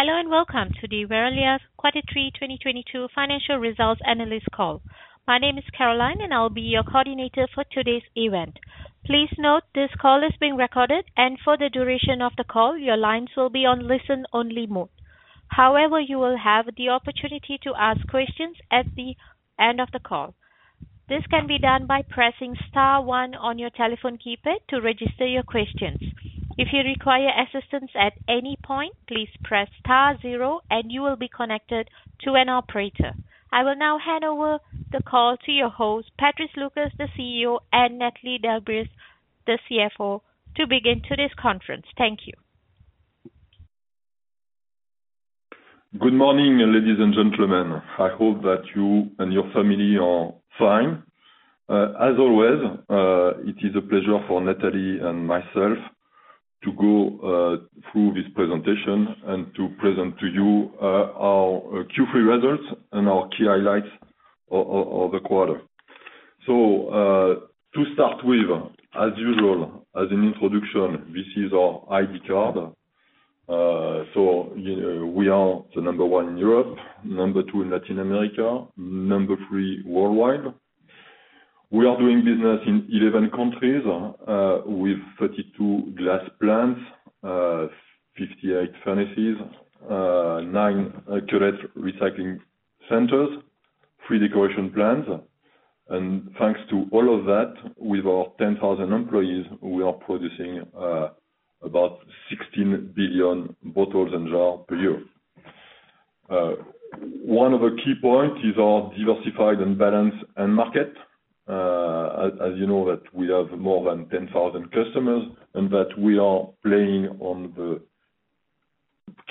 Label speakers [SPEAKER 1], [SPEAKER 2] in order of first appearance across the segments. [SPEAKER 1] Hello and welcome to the Verallia Quarter Three 2022 Financial Results Analyst call. My name is Caroline, and I'll be your coordinator for today's event. Please note this call is being recorded, and for the duration of the call, your lines will be on listen-only mode. However, you will have the opportunity to ask questions at the end of the call. This can be done by pressing star one on your telephone keypad to register your questions. If you require assistance at any point, please press star zero and you will be connected to an operator. I will now hand over the call to your host, Patrice Lucas, the CEO, and Nathalie Delbreuve, the CFO, to begin today's conference. Thank you.
[SPEAKER 2] Good morning, ladies and gentlemen. I hope that you and your family are fine. As always, it is a pleasure for Nathalie and myself to go through this presentation and to present to you our Q3 results and our key highlights of the quarter. To start with, as usual, as an introduction, this is our ID card. We are the number one in Europe, number two in Latin America, number three worldwide. We are doing business in 11 countries with 32 glass plants, 58 furnaces, nine cullet recycling centers, three decoration plants. Thanks to all of that, with our 10,000 employees, we are producing about 16 billion bottles and jars per year. One of the key points is our diversified and balanced end market. As you know that we have more than 10,000 customers and that we are playing on the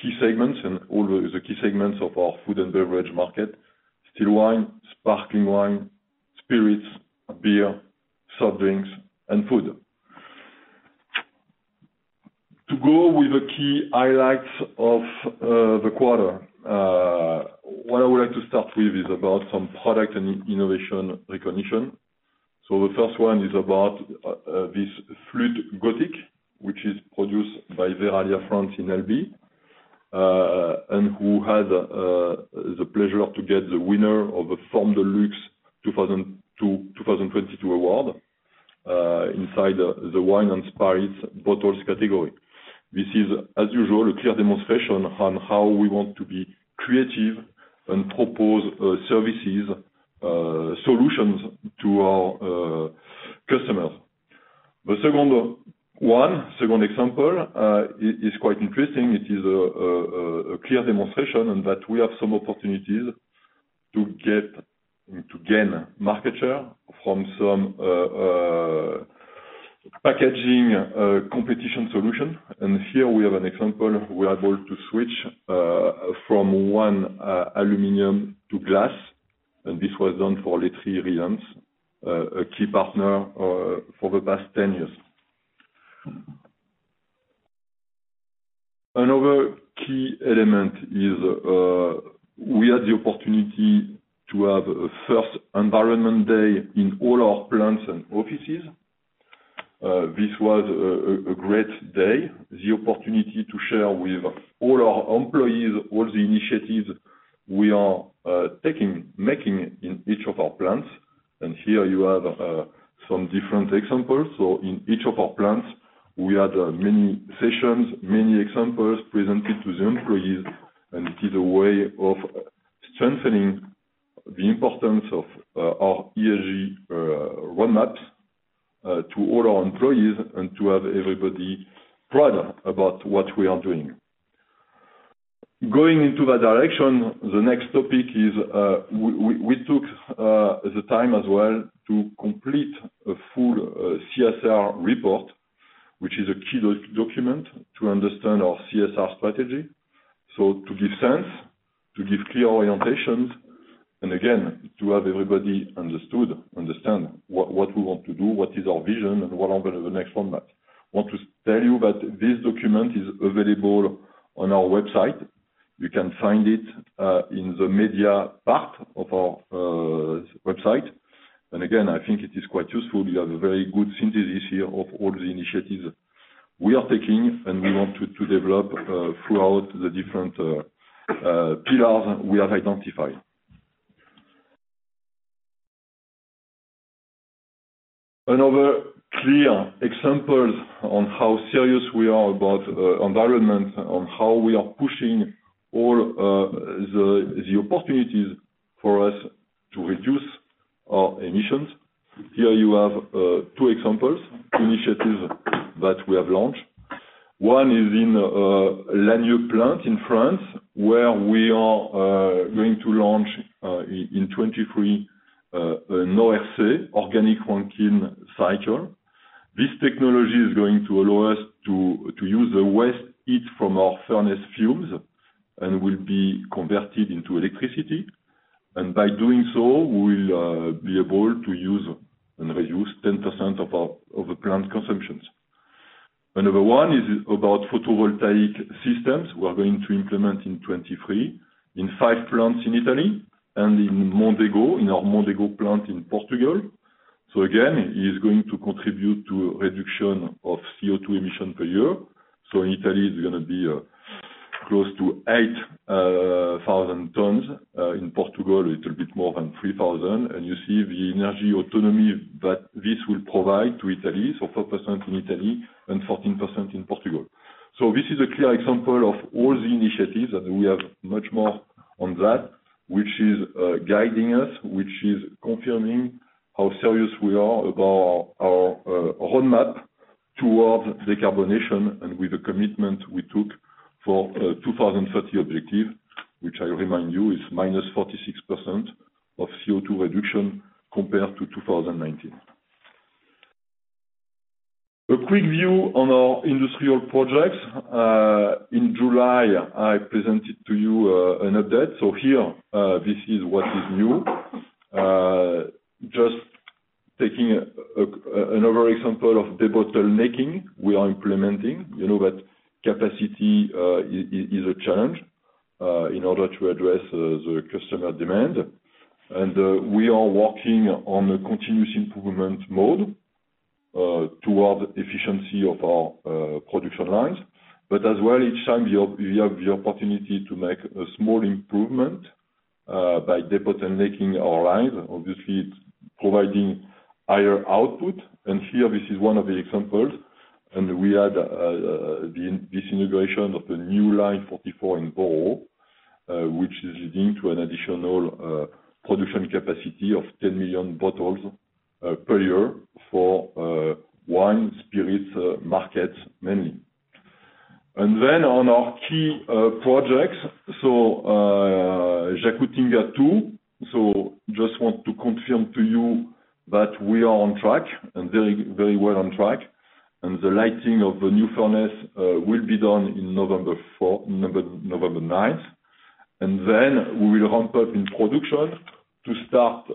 [SPEAKER 2] key segments and all the key segments of our food and beverage market, still wine, sparkling wine, spirits, beer, soft drinks, and food. To go with the key highlights of the quarter, what I would like to start with is about some product and innovation recognition. The first one is about this Flûte Gothique, which is produced by Verallia France in Elbeuf, and who had the pleasure to get the winner of the Formes de Luxe 2020-2022 award inside the wine and spirits bottles category. This is, as usual, a clear demonstration on how we want to be creative and propose services, solutions to our customers. The second example is quite interesting. It is a clear demonstration that we have some opportunities to gain market share from some packaging competitive solution. Here we have an example. We are able to switch from one aluminum to glass, and this was done for Laiterie Reims, a key partner, for the past 10 years. Another key element is we had the opportunity to have a first environment day in all our plants and offices. This was a great day. The opportunity to share with all our employees all the initiatives we are making in each of our plants. Here you have some different examples. In each of our plants, we had many sessions, many examples presented to the employees, and it is a way of strengthening the importance of our ESG roadmaps to all our employees and to have everybody proud about what we are doing. Going into that direction, the next topic is we took the time as well to complete a full CSR report, which is a key document to understand our CSR strategy. To give sense, to give clear orientations, and again, to have everybody understand what we want to do, what is our vision, and what will be the next format. Want to tell you that this document is available on our website. You can find it in the media part of our website. I think it is quite useful. We have a very good synthesis here of all the initiatives we are taking, and we want to develop throughout the different pillars we have identified. Another clear example of how serious we are about environment, on how we are pushing all the opportunities for us to reduce our emissions. Here you have two examples, initiatives that we have launched. One is in Lannion plant in France, where we are going to launch in 2023 an ORC, Organic Rankine Cycle. This technology is going to allow us to use the waste heat from our furnace fumes and will be converted into electricity. By doing so, we will be able to use and reduce 10% of the plant consumptions. Another one is about photovoltaic systems we are going to implement in 2023 in 5 plants in Italy and in Mondego, in our Mondego plant in Portugal. It is going to contribute to a reduction of CO2 emission per year. In Italy, it's gonna be close to 8,000 tons. In Portugal, it will be more than 3,000. You see the energy autonomy that this will provide to Italy. Four percent in Italy and 14% in Portugal. This is a clear example of all the initiatives, and we have much more on that, which is guiding us, which is confirming how serious we are about our roadmap towards decarbonization and with the commitment we took for 2030 objective, which I remind you is -46% CO2 reduction compared to 2019. A quick view on our industrial projects. In July, I presented to you an update. Here, this is what is new. Just taking another example of debottlenecking we are implementing. You know that capacity is a challenge in order to address the customer demand. We are working on a continuous improvement mode toward efficiency of our production lines. As well, each time we have the opportunity to make a small improvement by debottlenecking making our lines, obviously it's providing higher output. Here, this is one of the examples. We had this integration of the new line 44 in Beaune, which is leading to an additional production capacity of 10 million bottles per year for wine, spirits market mainly. Then on our key projects. Jacutinga two. Just want to confirm to you that we are on track and very well on track. The lighting of the new furnace will be done in November nine. Then we will ramp up in production to start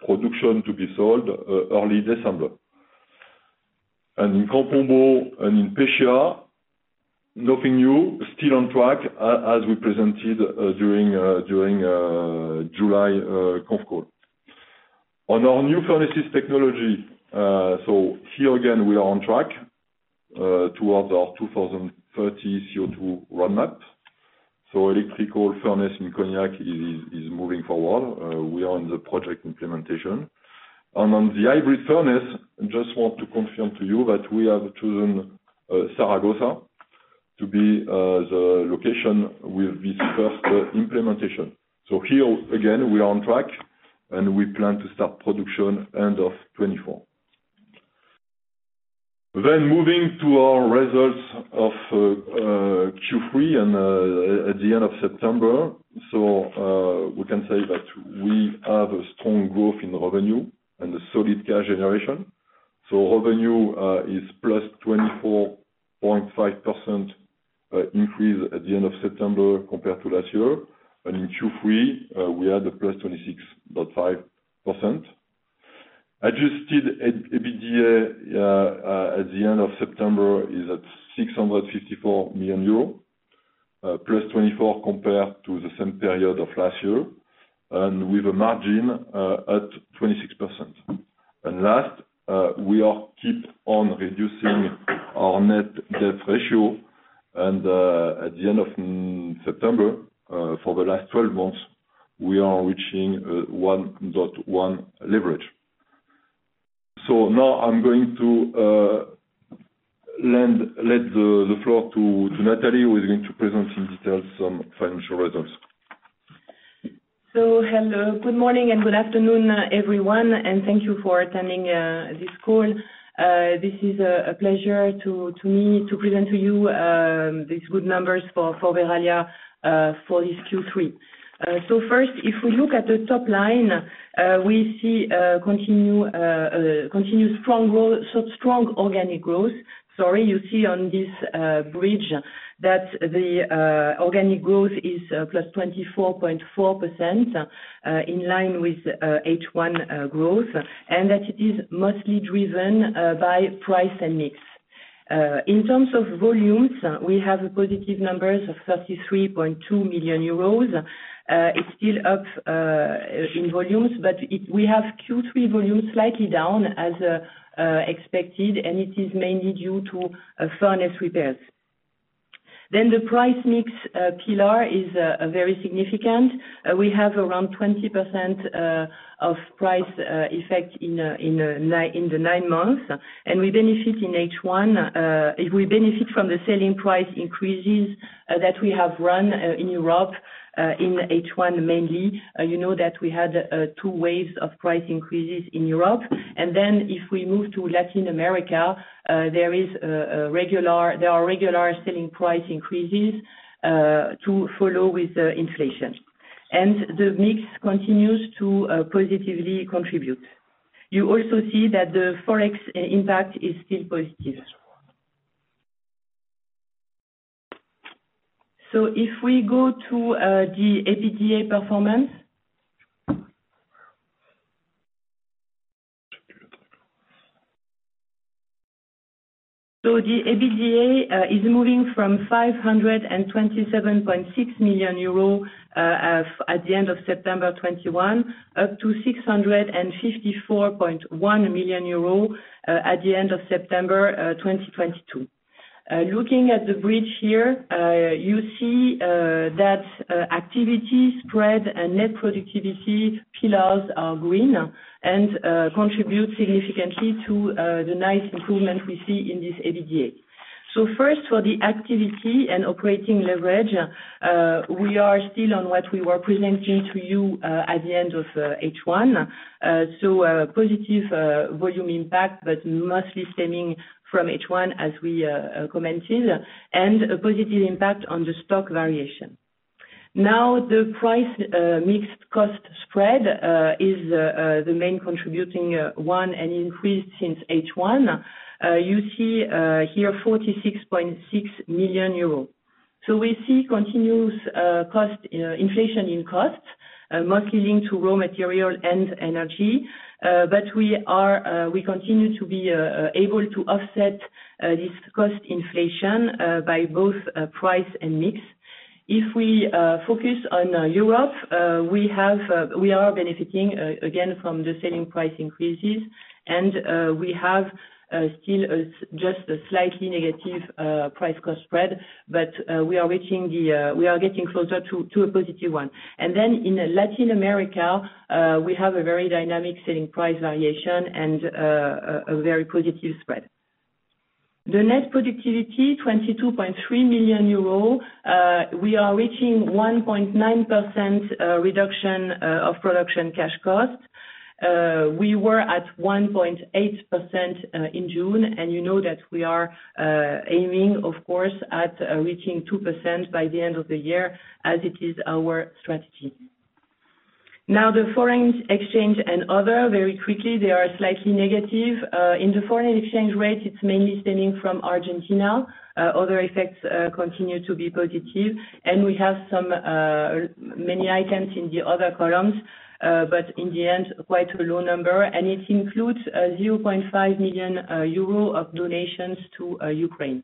[SPEAKER 2] production to be sold early December. In Campo Bom and in Pescia, nothing new. Still on track as we presented during July conf call. On our new furnaces technology, here again, we are on track towards our 2030 CO2 roadmap. Electrical furnace in Cognac is moving forward. We are on the project implementation. On the hybrid furnace, just want to confirm to you that we have chosen Zaragoza to be the location with this first implementation. Here again, we are on track, and we plan to start production end of 2024. Moving to our results of Q3 and at the end of September. We can say that we have a strong growth in revenue and a solid cash generation. Revenue is +24.5% increase at the end of September compared to last year. In Q3, we had a +26.5%. Adjusted EBITDA at the end of September is at 654 million euro, +24% compared to the same period of last year, and with a margin at 26%. Last, we keep on reducing our net debt ratio. At the end of September, for the last 12 months, we are reaching 1.1 leverage. Now I'm going to let the floor to Nathalie, who is going to present in detail some financial results.
[SPEAKER 3] Hello, good morning and good afternoon, everyone, and thank you for attending this call. This is a pleasure to me to present to you these good numbers for Verallia for this Q3. First, if we look at the top line, we see continuous strong growth, so strong organic growth. Sorry, you see on this bridge that the organic growth is +24.4%, in line with H1 growth, and that it is mostly driven by price and mix. In terms of volumes, we have positive numbers of 33.2 million euros. It's still up in volumes, but we have Q3 volumes slightly down as expected, and it is mainly due to furnace repairs. Price mix pillar is very significant. We have around 20% of price effect in the nine months, and we benefit in H1. If we benefit from the selling price increases that we have run in Europe in H1 mainly. You know that we had two waves of price increases in Europe. If we move to Latin America, there are regular selling price increases to follow with the inflation. The mix continues to positively contribute. You also see that the Forex impact is still positive. If we go to the EBITDA performance. The EBITDA is moving from 527.6 million euros at the end of September 2021, up to 654.1 million euros at the end of September 2022. Looking at the bridge here, you see that activity spread and net productivity pillars are green and contribute significantly to the nice improvement we see in this EBITDA. First for the activity and operating leverage, we are still on what we were presenting to you at the end of H1. Positive volume impact, but mostly stemming from H1 as we commented, and a positive impact on the stock variation. Now, the price mixed cost spread is the main contributing one and increased since H1. You see here 46.6 million euros. We see continuous cost inflation in costs, mostly linked to raw material and energy. We continue to be able to offset this cost inflation by both price and mix. If we focus on Europe, we are benefiting again from the selling price increases and we have still just a slightly negative price cost spread, but we are getting closer to a positive one. In Latin America, we have a very dynamic selling price variation and a very positive spread. The net productivity, 22.3 million euros. We are reaching 1.9% reduction of production cash costs. We were at 1.8% in June, and you know that we are aiming, of course, at reaching 2% by the end of the year as it is our strategy. Now, the foreign exchange and other, very quickly, they are slightly negative. In the foreign exchange rate, it's mainly stemming from Argentina. Other effects continue to be positive. We have so many items in the other columns, but in the end, quite a low number, and it includes 0.5 million euro of donations to Ukraine.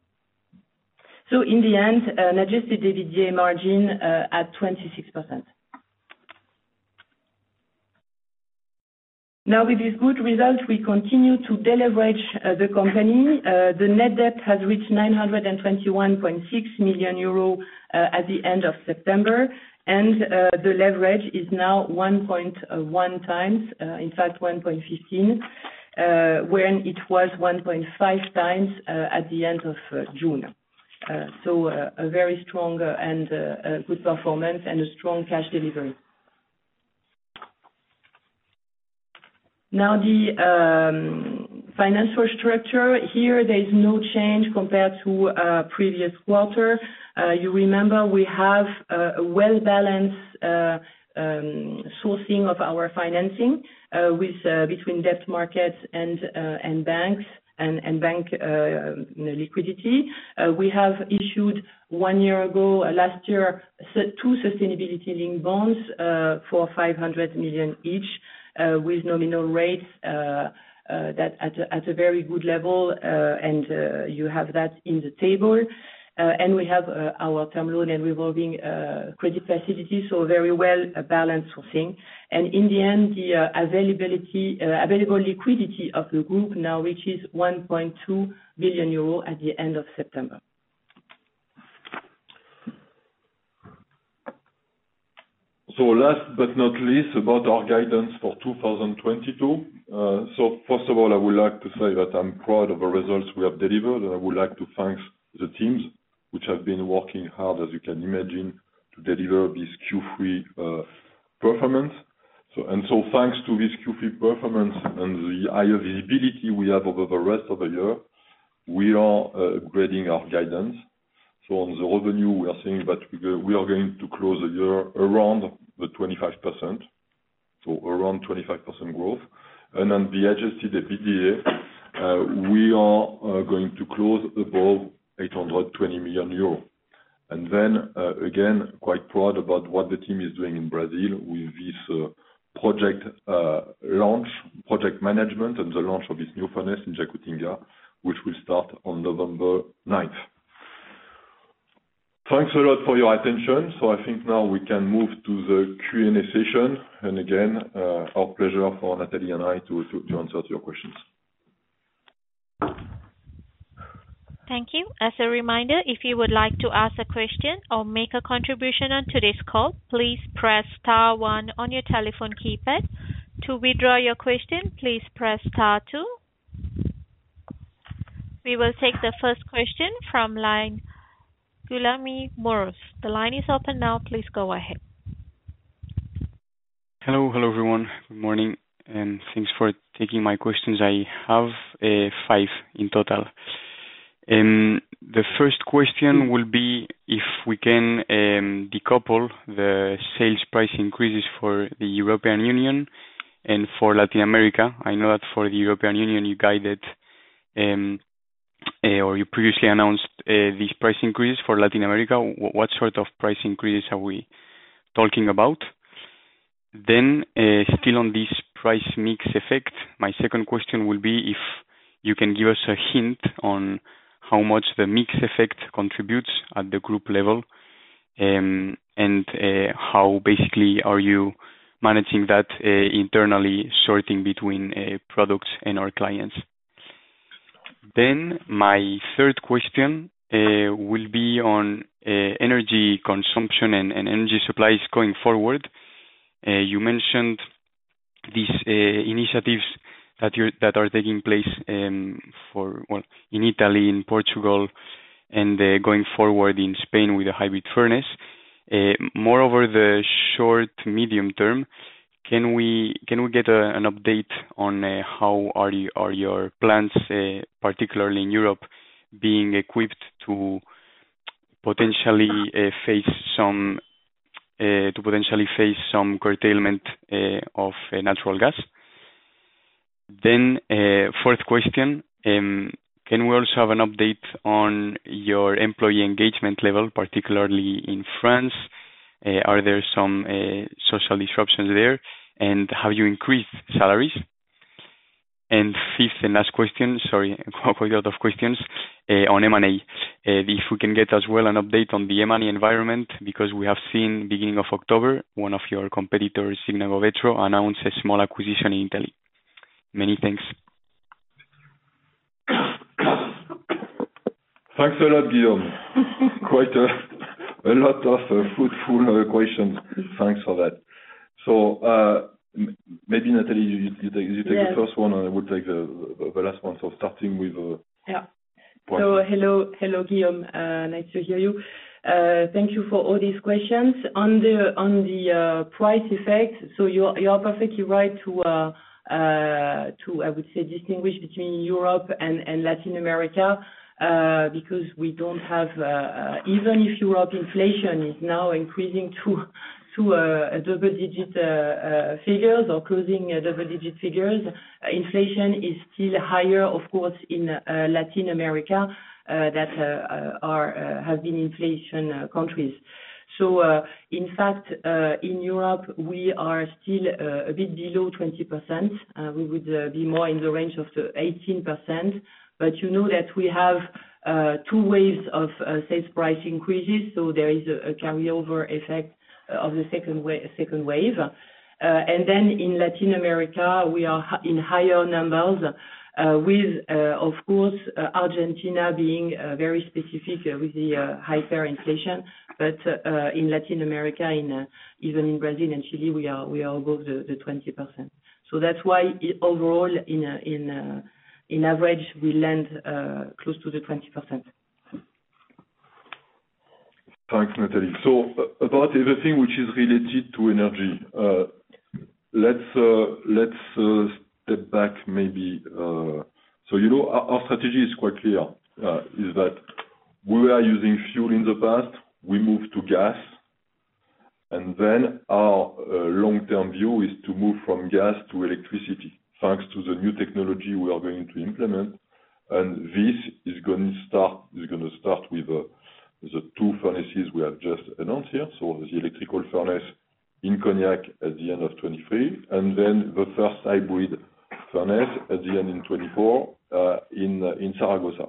[SPEAKER 3] In the end, Adjusted EBITDA margin at 26%. Now, with these good results, we continue to deleverage the company. The net debt has reached 921.6 million euros at the end of September. The leverage is now 1.1 times, in fact, 1.15, when it was 1.5 times at the end of June. A very strong and a good performance and a strong cash delivery. Now, the financial structure. Here, there is no change compared to previous quarter. You remember, we have a well-balanced sourcing of our financing with between debt markets and banks and bank you know liquidity. We have issued one year ago, last year, two sustainability-linked bonds, for 500 million each, with nominal rates that at a very good level, and you have that in the table. We have our term loan and revolving credit facility, so very well balanced sourcing. In the end, the availability, available liquidity of the group now reaches 1.2 billion euro at the end of September.
[SPEAKER 2] Last but not least, about our guidance for 2022. First of all, I would like to say that I'm proud of the results we have delivered. I would like to thank the teams which have been working hard, as you can imagine, to deliver this Q3 performance. Thanks to this Q3 performance and the higher visibility we have over the rest of the year, we are upgrading our guidance. On the revenue, we are saying that we are going to close the year around the 25%, so around 25% growth. On the Adjusted EBITDA, we are going to close above 820 million euros. Again, quite proud about what the team is doing in Brazil with this project launch project management and the launch of this new furnace in Jacutinga, which will start on November ninth. Thanks a lot for your attention. I think now we can move to the Q&A session. Again, our pleasure for Nathalie and I to answer to your questions.
[SPEAKER 1] Thank you. As a reminder, if you would like to ask a question or make a contribution on today's call, please press star one on your telephone keypad. To withdraw your question, please press star two. We will take the first question from line, Guillaume Muros. The line is open now. Please go ahead.
[SPEAKER 4] Hello. Hello, everyone. Good morning, and thanks for taking my questions. I have five in total. The first question will be if we can decouple the sales price increases for the European Union and for Latin America. I know that for the European Union, you guided or you previously announced this price increase for Latin America. What sort of price increase are we talking about? Still on this price mix effect, my second question will be if you can give us a hint on how much the mix effect contributes at the group level, and how basically are you managing that internally sorting between products and our clients. My third question will be on energy consumption and energy supplies going forward. You mentioned these initiatives that are taking place, well in Italy, in Portugal, and going forward in Spain with the hybrid furnace. Moreover in the short medium term, can we get an update on how are your plants, particularly in Europe, being equipped to potentially face some curtailment of natural gas? Then, fourth question, can we also have an update on your employee engagement level, particularly in France? Are there some social disruptions there? Have you increased salaries? Fifth and last question, sorry, quite a lot of questions, on M&A. If we can get as well an update on the M&A environment, because we have seen beginning of October, one of your competitors, Zignago Vetro, announce a small acquisition in Italy. Many thanks.
[SPEAKER 2] Thanks a lot, Guillaume. Quite a lot of fruitful questions. Thanks for that. Maybe Nathalie, you take-
[SPEAKER 3] Yes.
[SPEAKER 2] You take the first one, and I will take the last one. Starting with
[SPEAKER 3] Yeah
[SPEAKER 2] Nathalie.
[SPEAKER 3] Hello, Guillaume. Nice to hear you. Thank you for all these questions. On the price effect, you're perfectly right to, I would say, distinguish between Europe and Latin America because we don't have. Even if Europe inflation is now increasing to double-digit figures or closing double-digit figures, inflation is still higher, of course, in Latin America that have been inflation countries. In fact, in Europe, we are still a bit below 20%. We would be more in the range of 18%, but you know that we have two waves of sales price increases, so there is a carryover effect of the second wave. In Latin America, we are in higher numbers, with, of course, Argentina being very specific with the hyperinflation. In Latin America, even in Brazil and Chile, we are above the 20%. That's why overall on average, we land close to the 20%.
[SPEAKER 2] Thanks, Nathalie. About everything which is related to energy, let's step back maybe. You know, our strategy is quite clear, that we were using fuel in the past. We moved to gas, and then our long-term view is to move from gas to electricity, thanks to the new technology we are going to implement, and this is gonna start with the two furnaces we have just announced here, so the electrical furnace in Cognac at the end of 2023, and then the first hybrid furnace at the end of 2024 in Zaragoza.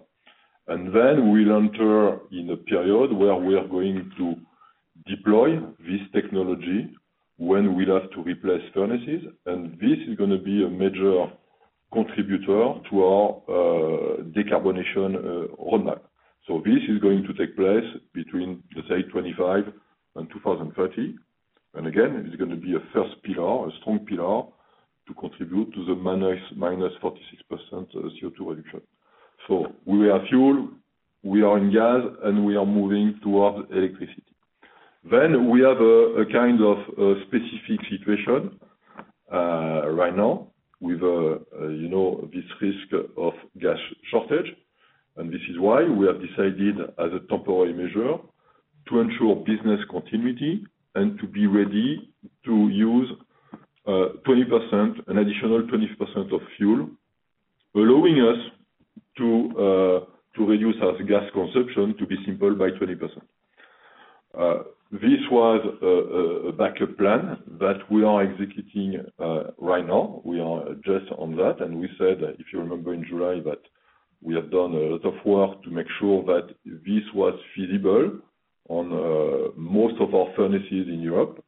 [SPEAKER 2] We'll enter in a period where we are going to deploy this technology when we'll have to replace furnaces, and this is gonna be a major contributor to our decarbonization roadmap. This is going to take place between, let's say, 2025 and 2030. Again, it is gonna be a first pillar, a strong pillar to contribute to the -46% CO2 reduction. We were fuel, we are in gas, and we are moving towards electricity. We have a kind of specific situation right now with you know, this risk of gas shortage, and this is why we have decided as a temporary measure to ensure business continuity and to be ready to use an additional 20% of fuel, allowing us to reduce our gas consumption simply by 20%. This was a backup plan that we are executing right now. We are just on that, and we said, if you remember in July, that we have done a lot of work to make sure that this was feasible on most of our furnaces in Europe.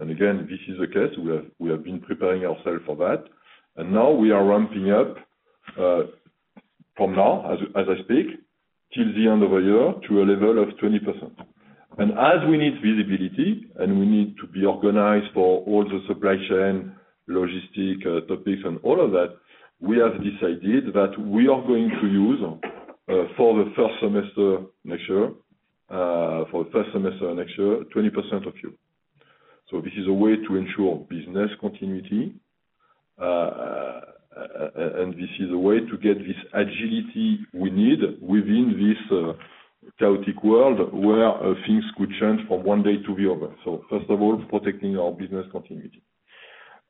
[SPEAKER 2] Again, this is the case. We have been preparing ourself for that. Now we are ramping up from now, as I speak, till the end of the year to a level of 20%. As we need visibility, and we need to be organized for all the supply chain, logistics topics and all of that, we have decided that we are going to use for the first semester next year 20% of fuel. This is a way to ensure business continuity. This is a way to get this agility we need within this chaotic world where things could change from one day to the other. First of all, protecting our business continuity.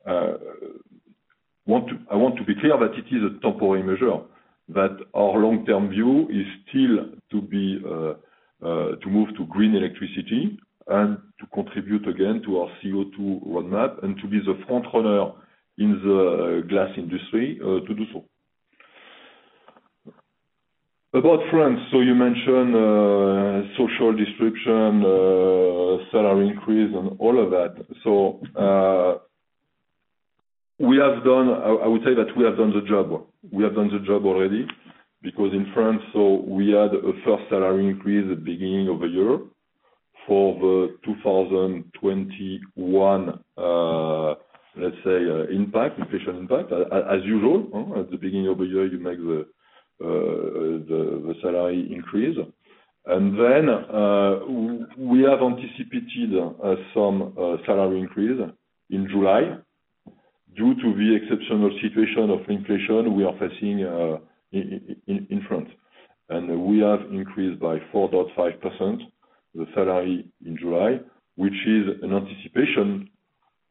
[SPEAKER 2] I want to be clear that it is a temporary measure, that our long term view is still to move to green electricity and to contribute again to our CO2 roadmap, and to be the front runner in the glass industry to do so. About France, you mentioned social disruption, salary increase and all of that. I would say that we have done the job. We have done the job already because in France, we had a first salary increase at beginning of the year for the 2021, let's say, inflation impact. As usual, at the beginning of the year, you make the salary increase. We have anticipated some salary increase in July due to the exceptional situation of inflation we are facing in France. We have increased by 4.5% the salary in July, which is an anticipation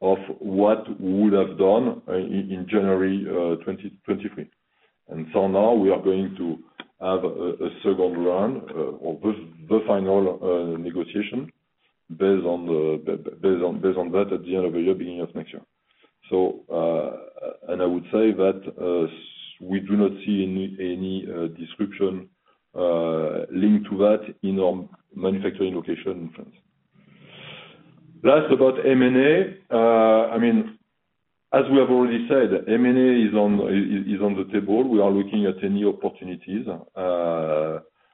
[SPEAKER 2] of what we would've done in January 2023. Now we are going to have a second round or the final negotiation based on that at the end of the year, beginning of next year. I would say that we do not see any disruption linked to that in our manufacturing location in France. Last, about M&A. I mean, as we have already said, M&A is on the table. We are looking at any opportunities.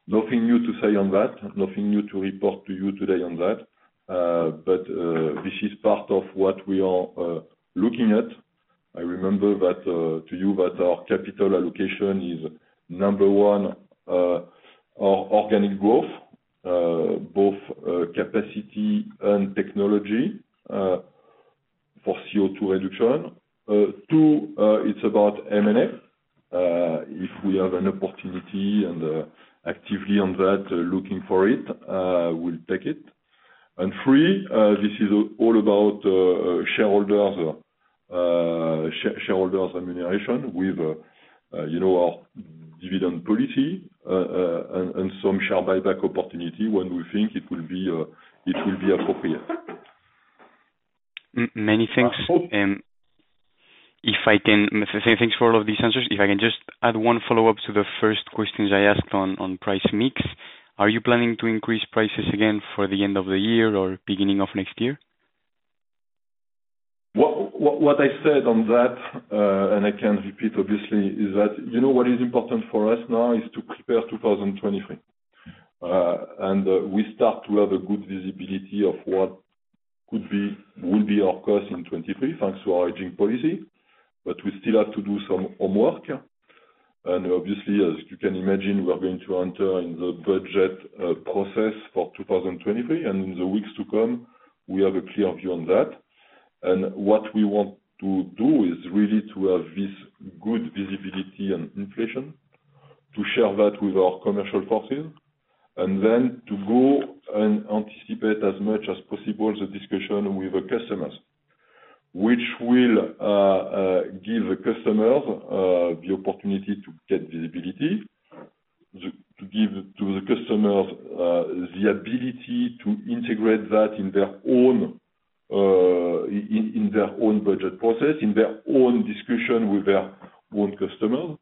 [SPEAKER 2] Nothing new to say on that. Nothing new to report to you today on that. This is part of what we are looking at. I remind you that our capital allocation is number one, our organic growth, both capacity and technology, for CO2 reduction. Two, it's about M&A. If we have an opportunity and we are actively looking for it, we'll take it. Three, this is all about shareholders' remuneration with, you know, our dividend policy, and some share buyback opportunity when we think it will be appropriate.
[SPEAKER 4] Many thanks.
[SPEAKER 2] That's all.
[SPEAKER 4] Many thanks for all of these answers. If I can just add one follow-up to the first questions I asked on price mix. Are you planning to increase prices again for the end of the year or beginning of next year?
[SPEAKER 2] What I said on that, and I can repeat, obviously, is that, you know, what is important for us now is to prepare 2023. We start to have a good visibility of what could be, will be our cost in 2023, thanks to our hedging policy, but we still have to do some homework. Obviously, as you can imagine, we are going to enter in the budget process for 2023, and in the weeks to come we have a clear view on that. What we want to do is really to have this good visibility on inflation, to share that with our commercial forces, and then to go and anticipate as much as possible the discussion with our customers, which will give the customers the opportunity to get visibility, to give to the customers the ability to integrate that in their own, in their own budget process, in their own discussion with their own customer.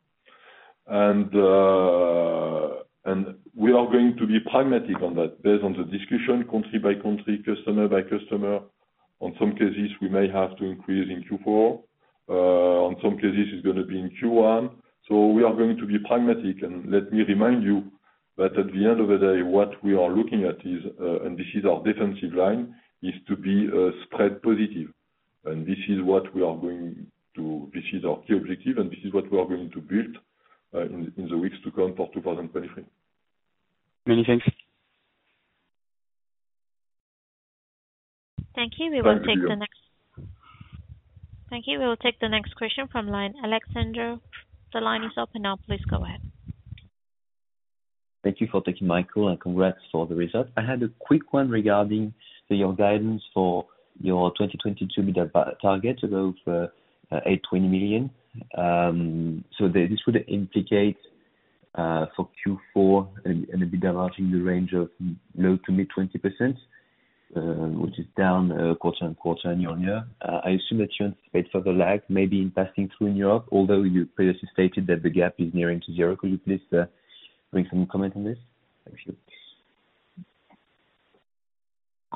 [SPEAKER 2] We are going to be pragmatic on that based on the discussion country by country, customer by customer. In some cases, we may have to increase in Q4. In some cases it's gonna be in Q1. We are going to be pragmatic. Let me remind you that at the end of the day, what we are looking at is, and this is our defensive line, is to be spread positive. This is what we are going to. This is our key objective, and this is what we are going to build in the weeks to come for 2023.
[SPEAKER 4] Many thanks.
[SPEAKER 1] Thank you.
[SPEAKER 2] Thank you.
[SPEAKER 1] Thank you. We will take the next question from line Alexandre. The line is open now. Please go ahead.
[SPEAKER 5] Thank you for taking my call and congrats for the results. I had a quick one regarding your guidance for your 2022 million target above 820 million. This would implicate for Q4 an EBITDA margin in the range of low-to-mid 20%, which is down quarter-on-quarter and year-on-year. I assume that you anticipate for the lag maybe in passing through in Europe, although you previously stated that the gap is nearing to zero. Could you please make some comment on this? Thank you.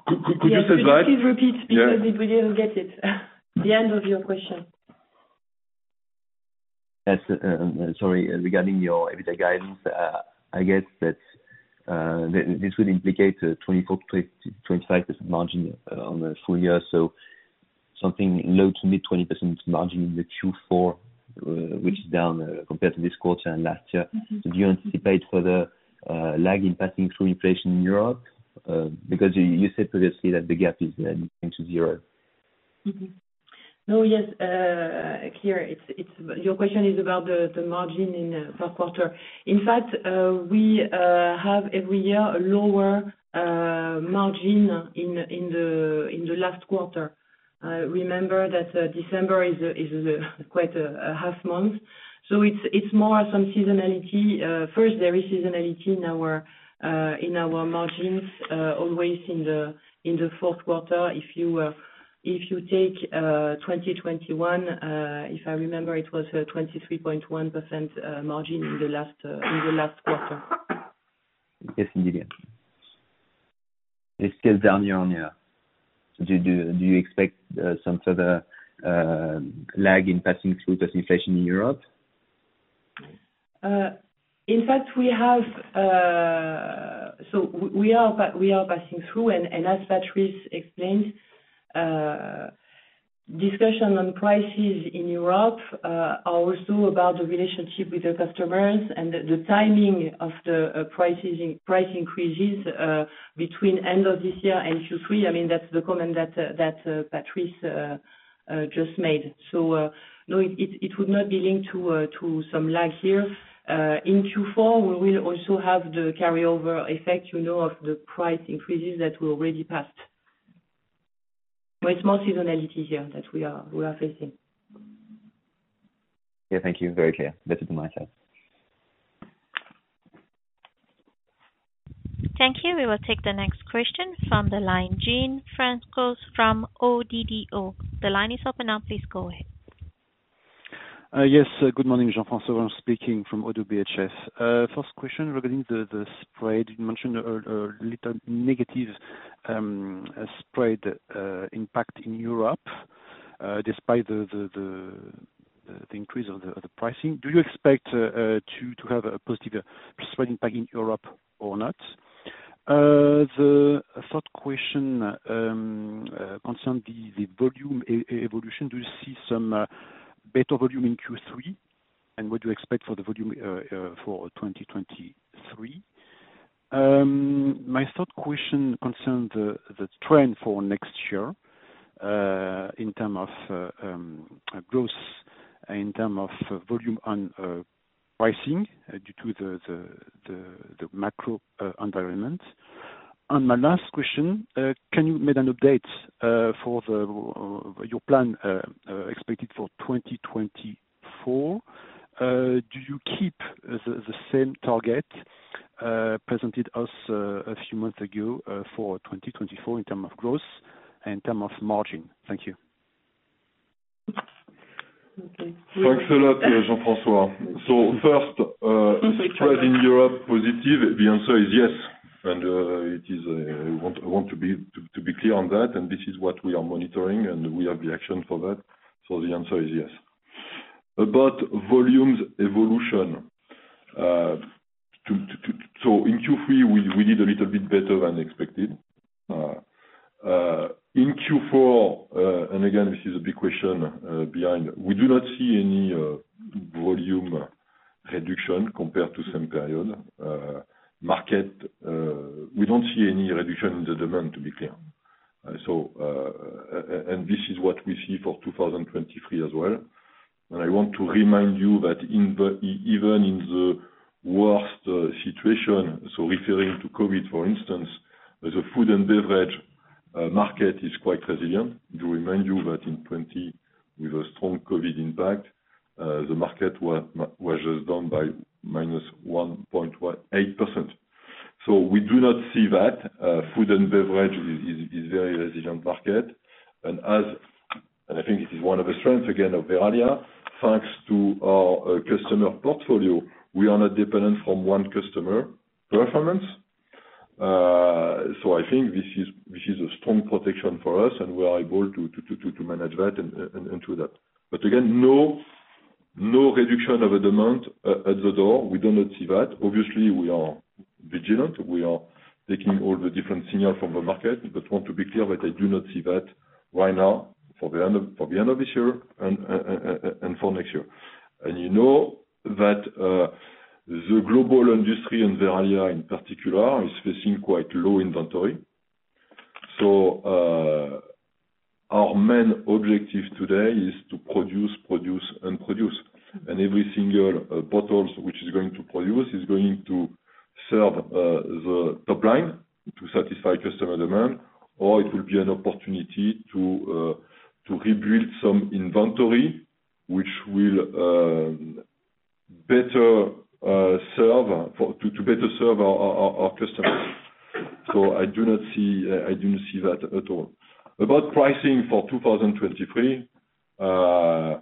[SPEAKER 2] Could you survive?
[SPEAKER 3] Yes. Could you please repeat?
[SPEAKER 2] Yeah.
[SPEAKER 3] Because we didn't get it, the end of your question.
[SPEAKER 5] That's sorry. Regarding your EBITDA guidance, I get that this would implicate a 24%-25% margin on the full year, so something low to mid-20% margin in the Q4, which is down compared to this quarter and last year.
[SPEAKER 3] Mm-hmm.
[SPEAKER 5] Do you anticipate for the lag in passing through inflation in Europe? Because you said previously that the gap is nearing to zero.
[SPEAKER 3] Mm-hmm. No, yes. Clear. It's your question is about the margin in fourth quarter. In fact, we have every year a lower margin in the last quarter. Remember that December is quite a half month, so it's more some seasonality. First there is seasonality in our margins always in the fourth quarter. If you take 2021, if I remember, it was 23.1% margin in the last quarter.
[SPEAKER 5] Yes, thank you. It's still down year-over-year. Do you expect some sort of lag in passing through this inflation in Europe?
[SPEAKER 3] In fact, we are passing through, and as Patrice explained, discussion on prices in Europe are also about the relationship with the customers and the timing of the prices, price increases between end of this year and Q3. I mean, that's the comment that Patrice just made. No, it would not be linked to some lag here. In Q4, we will also have the carryover effect, you know, of the price increases that we already passed. It's more seasonality here that we are facing.
[SPEAKER 5] Yeah. Thank you. Very clear. Better than my side.
[SPEAKER 1] Thank you. We will take the next question from the line, Jean-François Delcaire from ODDO. The line is open now. Please go ahead.
[SPEAKER 6] Yes. Good morning, Jean-François Delcaire speaking from ODDO BHF. First question regarding the spread. You mentioned a little negative spread impact in Europe despite the increase of the pricing. Do you expect to have a positive spread impact in Europe or not? The third question concerns the volume evolution. Do you see some better volume in Q3, and what do you expect for the volume for 2023? My third question concerns the trend for next year in terms of growth in terms of volume and pricing due to the macro environment. My last question, can you make an update for your plan expected for 2024? Do you keep the same target presented to us a few months ago for 2024 in terms of growth and terms of margin? Thank you.
[SPEAKER 3] Okay.
[SPEAKER 2] Thanks a lot, Jean-François Delcaire. First, spread in Europe positive, the answer is yes. I want to be clear on that, and this is what we are monitoring, and we have the action for that. The answer is yes. About volumes evolution. In Q3, we did a little bit better than expected. In Q4, and again, this is a big question behind. We do not see any volume reduction compared to same period market, we don't see any reduction in the demand, to be clear. This is what we see for 2023 as well. I want to remind you that in the even in the worst situation, so referring to COVID, for instance, the food and beverage market is quite resilient. To remind you that in 2020, with a strong COVID impact, the market was just down by -1.8%. We do not see that. Food and beverage is very resilient market. I think this is one of the strengths again of Verallia, thanks to our customer portfolio, we are not dependent from one customer performance. I think this is a strong protection for us, and we are able to manage that and through that. Again, no reduction of the demand at the door. We do not see that. Obviously, we are vigilant. We are taking all the different signals from the market, but want to be clear that I do not see that right now for the end of this year and for next year. You know that the global industry, and Verallia in particular, is facing quite low inventory. Our main objective today is to produce, and produce. Every single bottle which is going to produce is going to serve the top line to satisfy customer demand, or it will be an opportunity to rebuild some inventory, which will better serve our customers. I do not see that at all. About pricing for 2023, I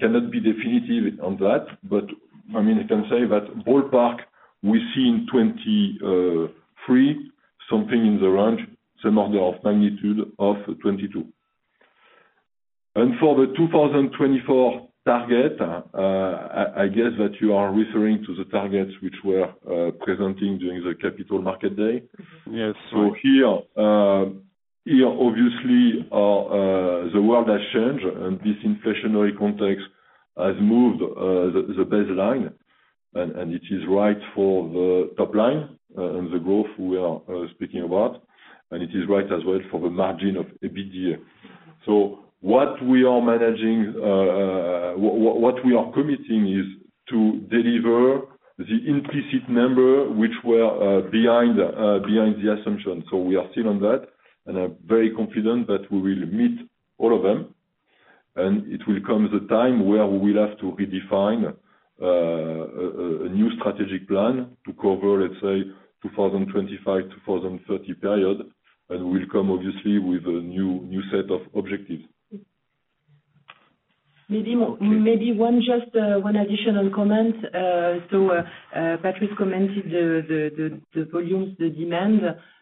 [SPEAKER 2] cannot be definitive on that, but I mean, I can say that ballpark we see in 2023, something in the range, some order of magnitude of 2022. For the 2024 target, I guess that you are referring to the targets which we are presenting during the Capital Markets Day.
[SPEAKER 6] Yes.
[SPEAKER 2] Here obviously, the world has changed, and this inflationary context has moved the baseline. It is right for the top line, and the growth we are speaking about, and it is right as well for the margin of EBITDA. What we are committing is to deliver the implicit number which were behind the assumption. We are still on that, and I'm very confident that we will meet all of them. It will come the time where we will have to redefine a new strategic plan to cover, let's say, 2025-2030 period. We'll come obviously with a new set of objectives.
[SPEAKER 3] Maybe one just one additional comment. Patrice commented the volumes, the demand.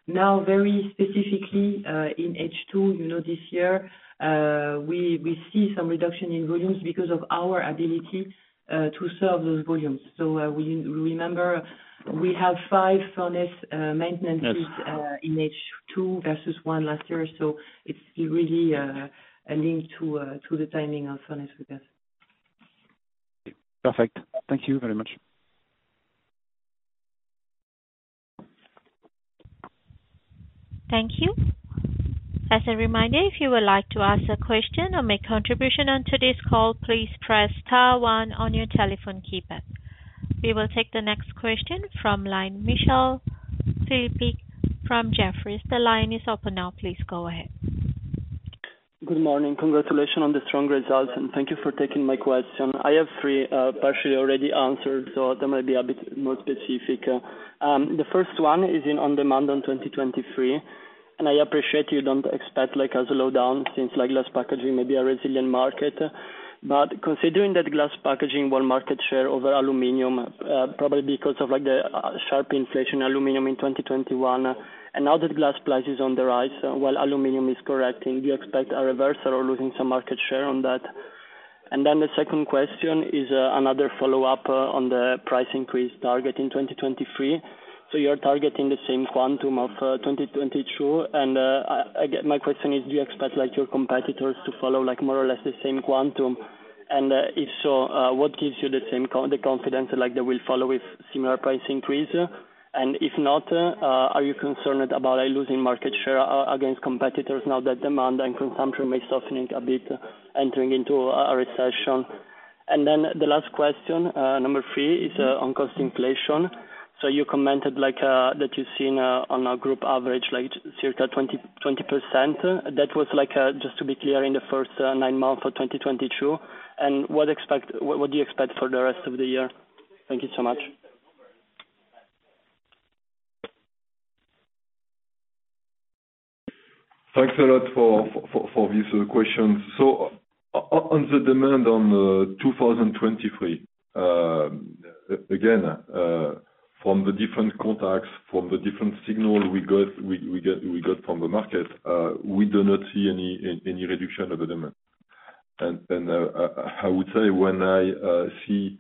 [SPEAKER 3] Now, very specifically, in H2, you know, this year, we see some reduction in volumes because of our ability to serve those volumes. We remember we have 5 furnace maintenances.
[SPEAKER 2] Yes.
[SPEAKER 3] in H2 versus one last year. It's really a link to the timing of furnace, I guess.
[SPEAKER 6] Perfect. Thank you very much.
[SPEAKER 1] Thank you. As a reminder, if you would like to ask a question or make contribution on today's call, please press star one on your telephone keypad. We will take the next question from line Michele Filippini from Jefferies. The line is open now. Please go ahead.
[SPEAKER 7] Good morning. Congratulations on the strong results, and thank you for taking my question. I have three, partially already answered, so they might be a bit more specific. The first one is on demand in 2023, and I appreciate you don't expect like a slowdown since like glass packaging may be a resilient market. But considering that glass packaging gained market share over aluminum, probably because of like the sharp inflation in aluminum in 2021, and now that glass price is on the rise while aluminum is correcting. Do you expect a reversal or losing some market share on that? And then the second question is, another follow-up on the price increase target in 2023. So you're targeting the same quantum of, 2022. My question is, do you expect like your competitors to follow like more or less the same quantum? If so, what gives you the confidence like they will follow with similar price increase? If not, are you concerned about losing market share against competitors now that demand and consumption may softening a bit entering into a recession? The last question, number three, is on cost inflation. You commented like that you've seen on a group average like circa 20%. That was like just to be clear in the first nine months of 2022. What do you expect for the rest of the year? Thank you so much.
[SPEAKER 2] Thanks a lot for these questions. On the demand on 2023, again, from the different contacts, from the different signals we got from the market, we do not see any reduction of the demand. I would say when I see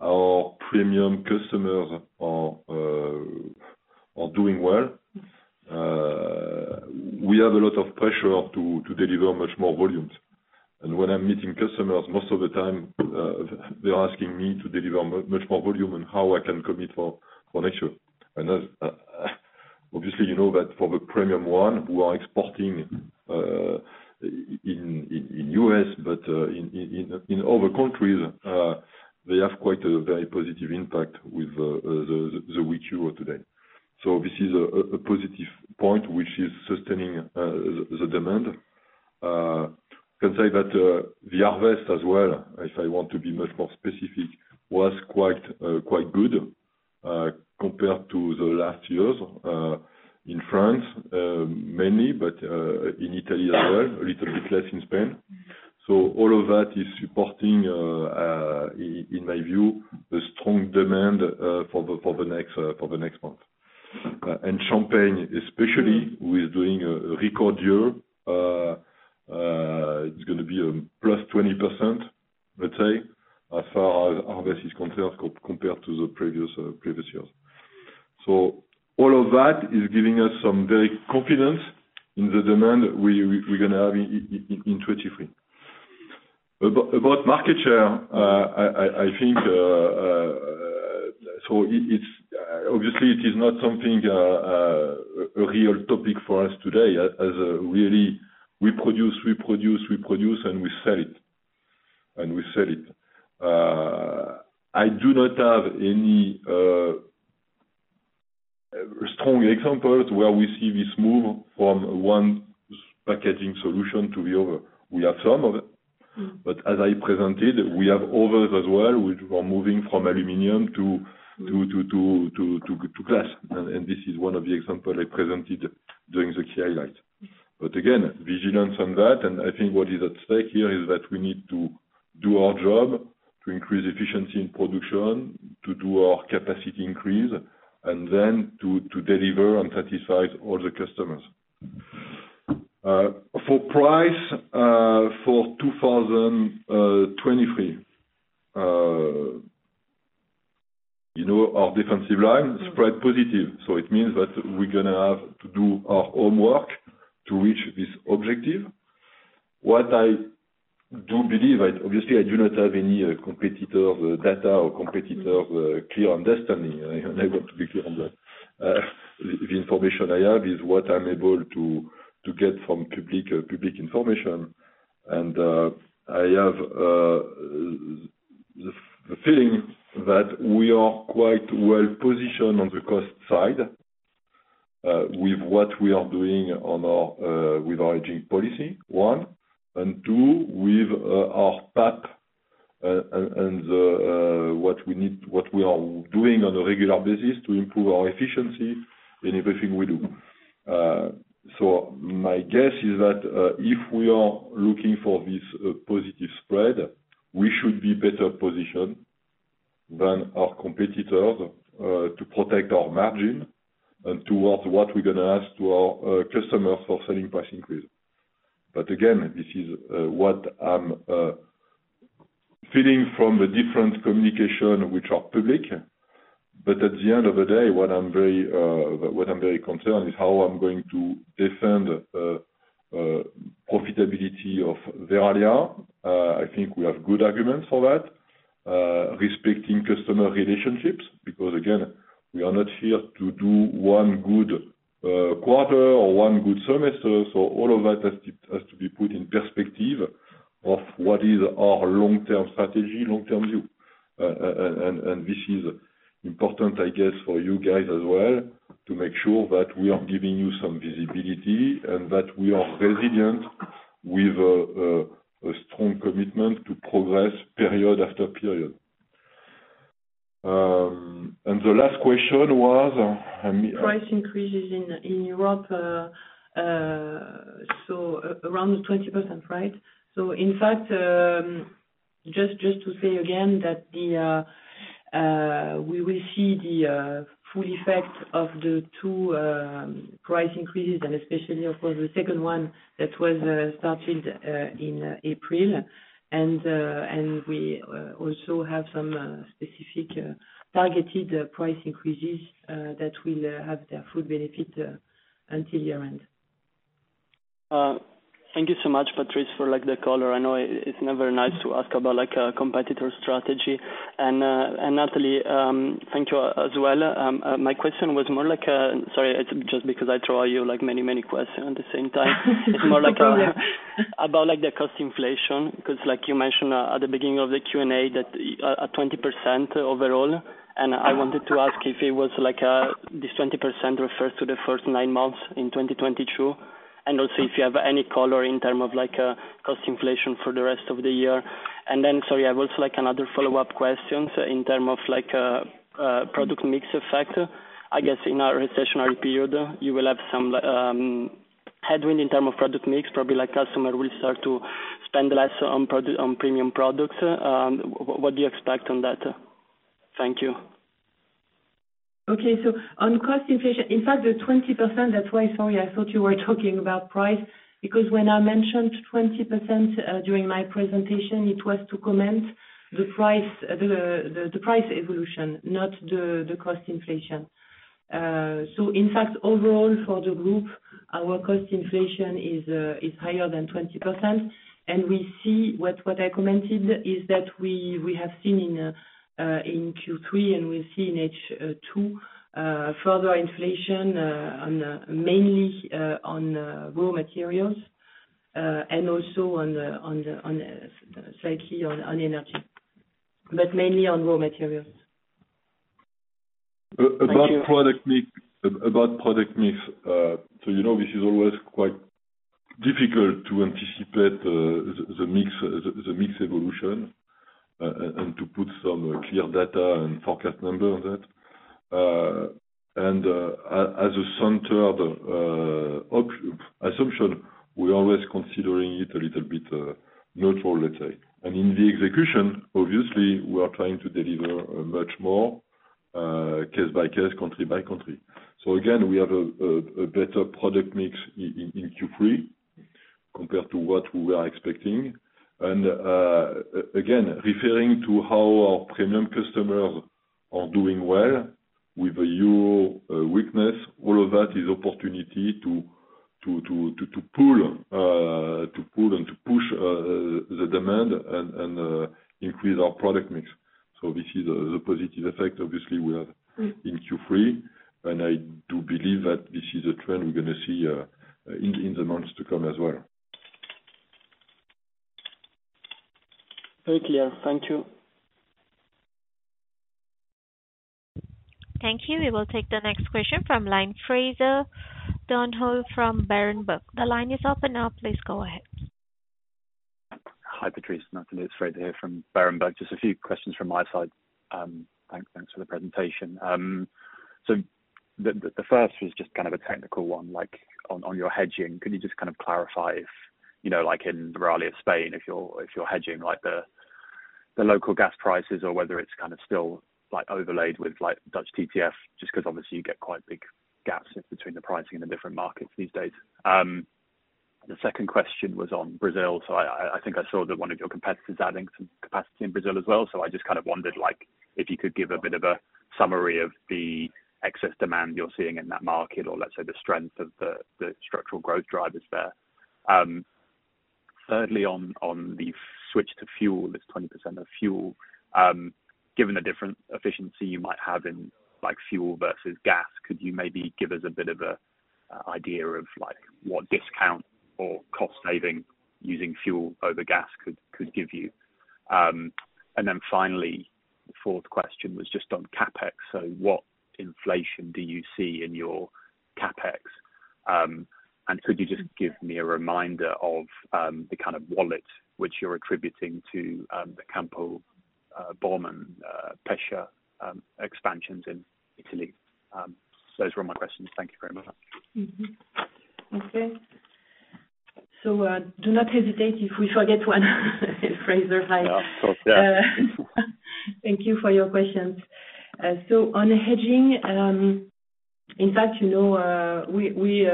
[SPEAKER 2] our premium customers are doing well, we have a lot of pressure to deliver much more volumes. When I'm meeting customers, most of the time, they're asking me to deliver much more volume and how I can commit for next year. Obviously, you know that for the premium ones who are exporting in the U.S., but in other countries, they have quite a very positive impact with the weak euro today. This is a positive point which is sustaining the demand. Can say that the harvest as well, if I want to be much more specific, was quite good compared to the last years in France mainly, but in Italy as well, a little bit less in Spain. All of that is supporting in my view the strong demand for the next month. Champagne especially, we're doing a record year. It's gonna be a +20%, let's say, as far as harvest is concerned compared to the previous years. All of that is giving us some very confidence in the demand we're gonna have in 2023. About market share, I think it's obviously not something a real topic for us today as we really produce and we sell it. I do not have any strong examples where we see this move from one sustainable packaging solution to the other. We have some of it, but as I presented, we have others as well, which were moving from aluminum to glass. This is one of the example I presented during the key highlights. Again, vigilance on that, and I think what is at stake here is that we need to do our job to increase efficiency in production, to do our capacity increase, and then to deliver and satisfy all the customers. Pricing for 2023, you know, our defensive line is quite positive, so it means that we're gonna have to do our homework to reach this objective. What I do believe, obviously I do not have any competitor data or competitor clarity on strategy. I want to be clear on that. The information I have is what I'm able to get from public information. I have the feeling that we are quite well positioned on the cost side, with what we are doing with our hedging policy, one, and two, with our path and what we are doing on a regular basis to improve our efficiency in everything we do. My guess is that if we are looking for this positive spread, we should be better positioned than our competitors to protect our margin and towards what we're gonna ask to our customers for selling price increase. Again, this is what I'm feeling from the different communication which are public. At the end of the day, what I'm very concerned is how I'm going to defend profitability of Verallia. I think we have good arguments for that respecting customer relationships, because again, we are not here to do one good quarter or one good semester. All of that has to be put in perspective of what is our long-term strategy, long-term view. This is important, I guess, for you guys as well, to make sure that we are giving you some visibility and that we are resilient with a strong commitment to progress period after period. The last question was, I mean.
[SPEAKER 3] Price increases in Europe, so around 20%, right? In fact, just to say again that we will see the full effect of the two price increases and especially of course the second one that was started in April. We also have some specific targeted price increases that will have their full benefit until year end.
[SPEAKER 7] Thank you so much, Patrice, for like the color. I know it's never nice to ask about like a competitor strategy. Nathalie, thank you as well. My question was more like, sorry, it's just because I throw you many questions at the same time. It's more like, about like the cost inflation, because like you mentioned at the beginning of the Q&A that 20% overall, and I wanted to ask if it was like, this 20% refers to the first nine months in 2022, and also if you have any color in terms of like, cost inflation for the rest of the year. Then, sorry, I've also like another follow-up question. In terms of like, product mix effect, I guess in our recessionary period, you will have some headwind in terms of product mix, probably like customers will start to spend less on premium products. What do you expect on that? Thank you.
[SPEAKER 3] Okay. On cost inflation, in fact, the 20%, that's why, sorry, I thought you were talking about price, because when I mentioned 20% during my presentation, it was to comment the price, the price evolution, not the cost inflation. In fact overall for the group, our cost inflation is higher than 20%. We see what I commented is that we have seen in Q3 and we see in H2 further inflation mainly on raw materials and also slightly on energy. Mainly on raw materials.
[SPEAKER 7] Thank you.
[SPEAKER 2] About product mix, so you know this is always quite difficult to anticipate the mix evolution and to put some clear data and forecast number on that. As a central assumption, we're always considering it a little bit neutral, let's say. In the execution, obviously, we are trying to deliver much more case by case, country by country. Again, we have a better product mix in Q3 compared to what we were expecting. Again, referring to how our premium customers are doing well with a euro weakness, all of that is opportunity to pull and to push the demand and increase our product mix. This is a positive effect obviously we have.
[SPEAKER 3] Mm.
[SPEAKER 2] in Q3, and I do believe that this is a trend we're gonna see in the months to come as well.
[SPEAKER 7] Very clear. Thank you.
[SPEAKER 1] Thank you. We will take the next question from line, Fraser Donlon from Berenberg. The line is open now. Please go ahead.
[SPEAKER 8] Hi, Patrice and Nathalie. It's Fraser here from Berenberg. Just a few questions from my side. Thanks for the presentation. The first was just kind of a technical one, like on your hedging. Could you just kind of clarify if, you know, like in Verallia Spain, if you're hedging like the local gas prices or whether it's kind of still like overlaid with like Dutch TTF, just 'cause obviously you get quite big gaps in between the pricing in the different markets these days. The second question was on Brazil. I think I saw that one of your competitors adding some capacity in Brazil as well. I just kind of wondered like if you could give a bit of a summary of the excess demand you're seeing in that market, or let's say the strength of the structural growth drivers there. Thirdly, on the switch to fuel, it's 20% of fuel. Given a different efficiency you might have in like fuel versus gas, could you maybe give us a bit of an idea of like what discount or cost saving using fuel over gas could give you? Finally, the fourth question was just on CapEx. What inflation do you see in your CapEx? Could you just give me a reminder of the kind of wallet which you're attributing to the Campo Bom and Pescia expansions in Italy? Those were my questions. Thank you very much.
[SPEAKER 3] Do not hesitate if we forget one, Fraser. Hi.
[SPEAKER 8] No, of course. Yeah.
[SPEAKER 3] Thank you for your questions. On hedging, in fact, you know, we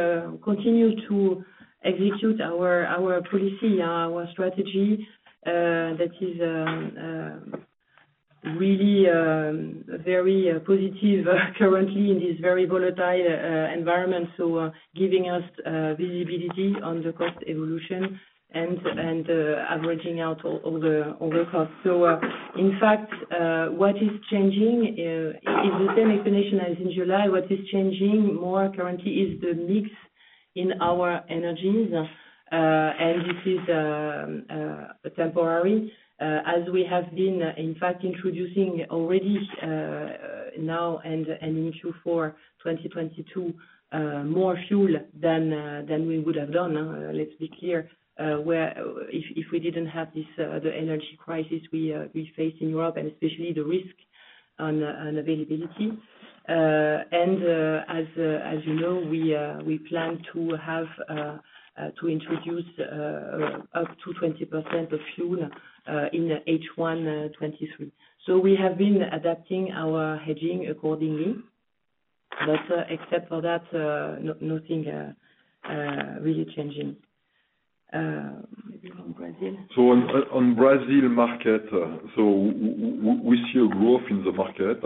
[SPEAKER 3] continue to execute our policy, our strategy that is really very positive currently in this very volatile environment. Giving us visibility on the cost evolution and averaging out all the costs. In fact, what is changing is the same explanation as in July. What is changing more currently is the mix in our energies. This is temporary as we have been, in fact, introducing already now and into 2022 more fuel than we would have done. Let's be clear, if we didn't have this, the energy crisis we face in Europe, and especially the risk to availability. As you know, we plan to introduce up to 20% of fuel in H1 2023. We have been adapting our hedging accordingly. Except for that, nothing really changing, maybe in Brazil.
[SPEAKER 2] On Brazil market, we see a growth in the market.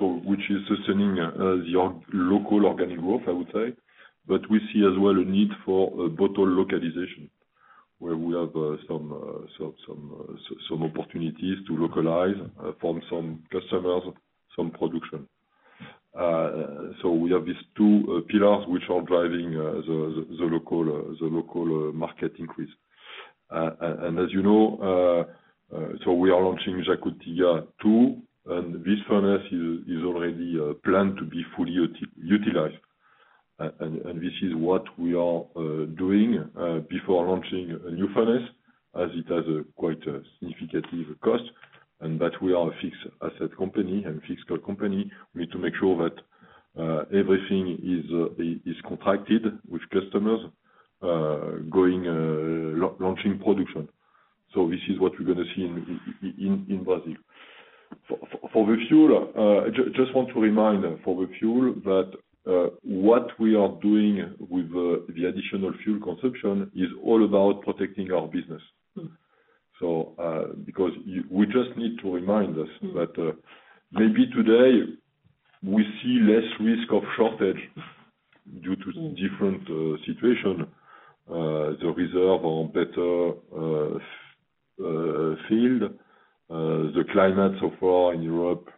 [SPEAKER 2] Which is sustaining the local organic growth, I would say. We see as well a need for bottle localization where we have some opportunities to localize from some customers some production. We have these two pillars which are driving the local market increase. As you know, we are launching Jacutinga two, and this furnace is already planned to be fully utilized. This is what we are doing before launching a new furnace as it has quite a significant cost, and we are a fixed asset company and fixed cost company. We need to make sure that everything is contracted with customers going launching production. This is what we're gonna see in Brazil. For the fuel, I just want to remind for the fuel that what we are doing with the additional fuel consumption is all about protecting our business.
[SPEAKER 3] Mm.
[SPEAKER 2] We just need to remind us.
[SPEAKER 3] Mm.
[SPEAKER 2] That, maybe today we see less risk of shortage due to.
[SPEAKER 3] Mm.
[SPEAKER 2] Different situation. The reserves are better, the climate so far in Europe,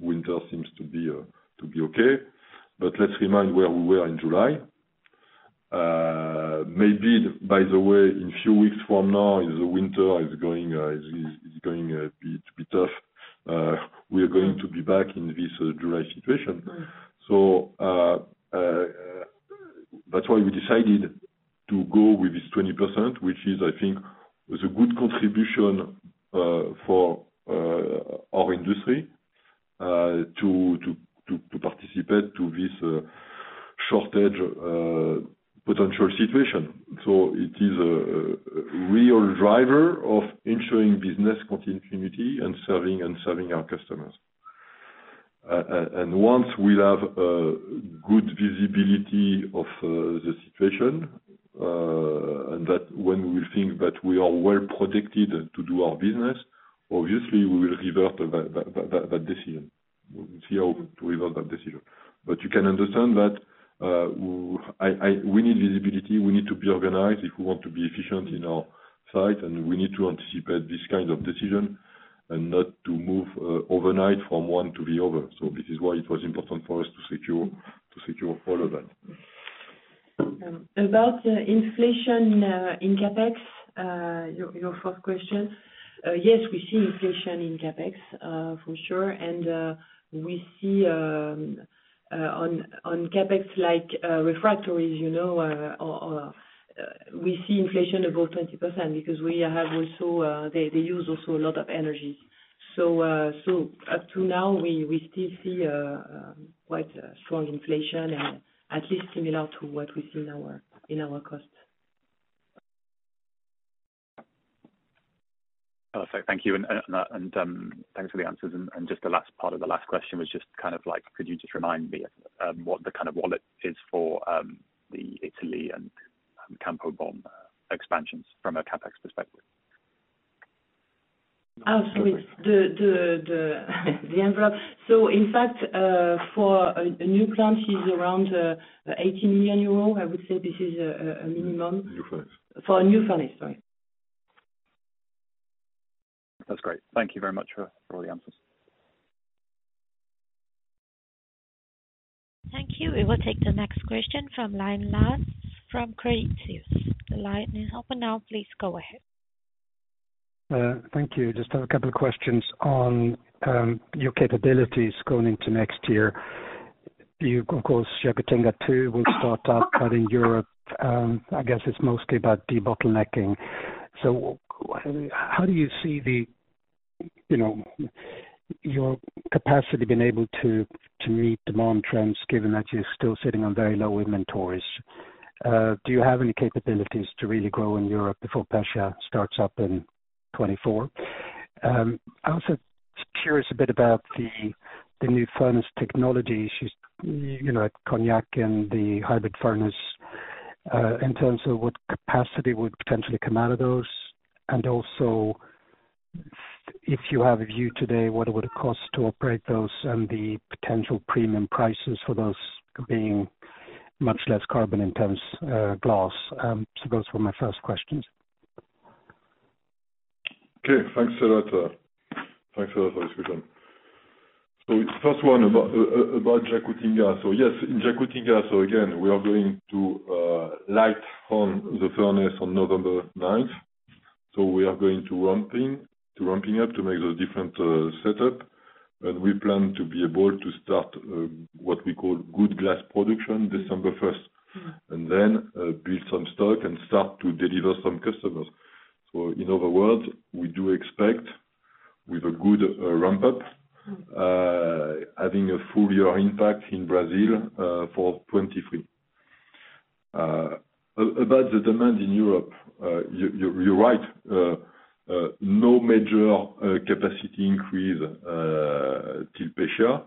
[SPEAKER 2] winter seems to be okay. Let's remind where we were in July. Maybe by the way, in a few weeks from now, the winter is going to be a bit tough. We are going to be back in this July situation.
[SPEAKER 3] Mm.
[SPEAKER 2] That's why we decided to go with this 20%, which is, I think, a good contribution for our industry to participate to this shortage potential situation. It is a real driver of ensuring business continuity and serving our customers. Once we have good visibility of the situation and that when we think that we are well protected to do our business, obviously we will revert that decision. We'll see how to revert that decision. You can understand that we need visibility. We need to be organized if we want to be efficient in our site, and we need to anticipate this kind of decision and not to move overnight from one to the other. This is why it was important for us to secure all of that.
[SPEAKER 3] About inflation in CapEx, your first question. Yes, we see inflation in CapEx for sure. We see on CapEx, like, refractories, you know, or we see inflation above 20% because we have also, they use also a lot of energy. Up to now, we still see quite a strong inflation and at least similar to what we see in our costs.
[SPEAKER 8] Perfect. Thank you. Thanks for the answers. Just the last part of the last question was just kind of like, could you just remind me what the kind of wallet is for the Italy and Campo Bom expansions from a CapEx perspective?
[SPEAKER 3] It's the envelope. In fact, for a new plant is around 80 million euro. I would say this is a minimum.
[SPEAKER 2] New furnace.
[SPEAKER 3] For a new furnace, sorry.
[SPEAKER 5] That's great. Thank you very much for all the answers.
[SPEAKER 1] Thank you. We will take the next question from line last from Creatives. The line is open now, please go ahead.
[SPEAKER 9] Thank you. Just have a couple questions on, your capabilities going into next year. You of course, Jacutinga 2 will start up but in Europe, I guess it's mostly about debottlenecking. How do you see the, you know, your capacity being able to meet demand trends, given that you're still sitting on very low inventories? Do you have any capabilities to really grow in Europe before Pescia starts up in 2024? I was just curious a bit about the new furnace technologies you know, at Cognac and the hybrid furnace, in terms of what capacity would potentially come out of those. Also if you have a view today, what it would cost to operate those and the potential premium prices for those being much less carbon intense, glass. Those were my first questions.
[SPEAKER 2] Okay. Thanks a lot, thanks a lot for this question. First one about Jacutinga. Yes, in Jacutinga, again, we are going to light the furnace on November ninth. We are going to ramping up to make the different setup. We plan to be able to start what we call good glass production December first, and then build some stock and start to deliver some customers. In other words, we do expect with a good ramp-up having a full year impact in Brazil for 2023. About the demand in Europe, you're right. No major capacity increase till Pescia,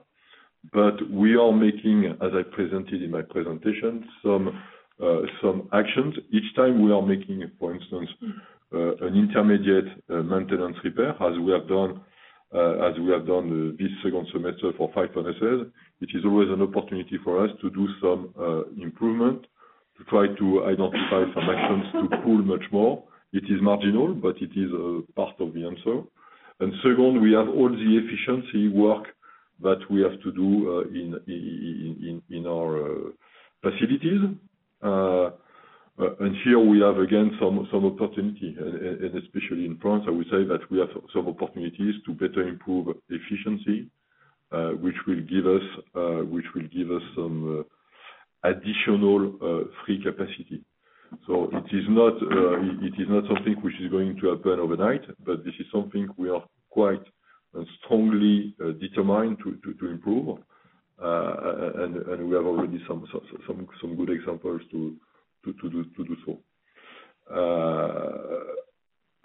[SPEAKER 2] but we are making, as I presented in my presentation, some actions. Each time we are making, for instance, an intermediate maintenance repair, as we have done this second semester for five furnaces, which is always an opportunity for us to do some improvement, to try to identify some actions to pull much more. It is marginal, but it is a part of the answer. Second, we have all the efficiency work that we have to do in our facilities. Here we have again some opportunity, especially in France. I would say that we have some opportunities to better improve efficiency, which will give us some additional free capacity. It is not something which is going to happen overnight, but this is something we are quite strongly determined to improve. We have already some good examples to do so.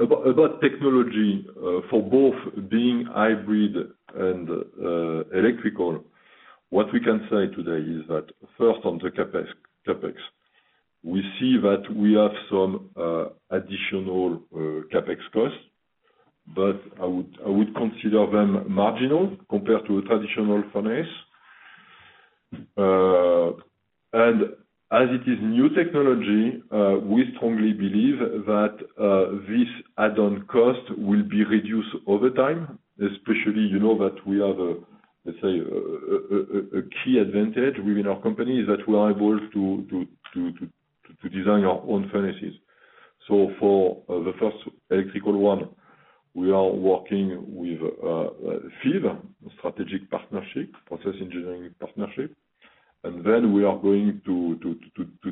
[SPEAKER 2] About technology for both being hybrid and electrical. What we can say today is that first on the CapEx, we see that we have some additional CapEx costs, but I would consider them marginal compared to a traditional furnace. As it is new technology, we strongly believe that this add-on cost will be reduced over time. Especially, you know that we have a, let's say, a key advantage within our company is that we are able to design our own furnaces. For the first electrical one, we are working with Fives, a strategic partnership, process engineering partnership. Then we are going to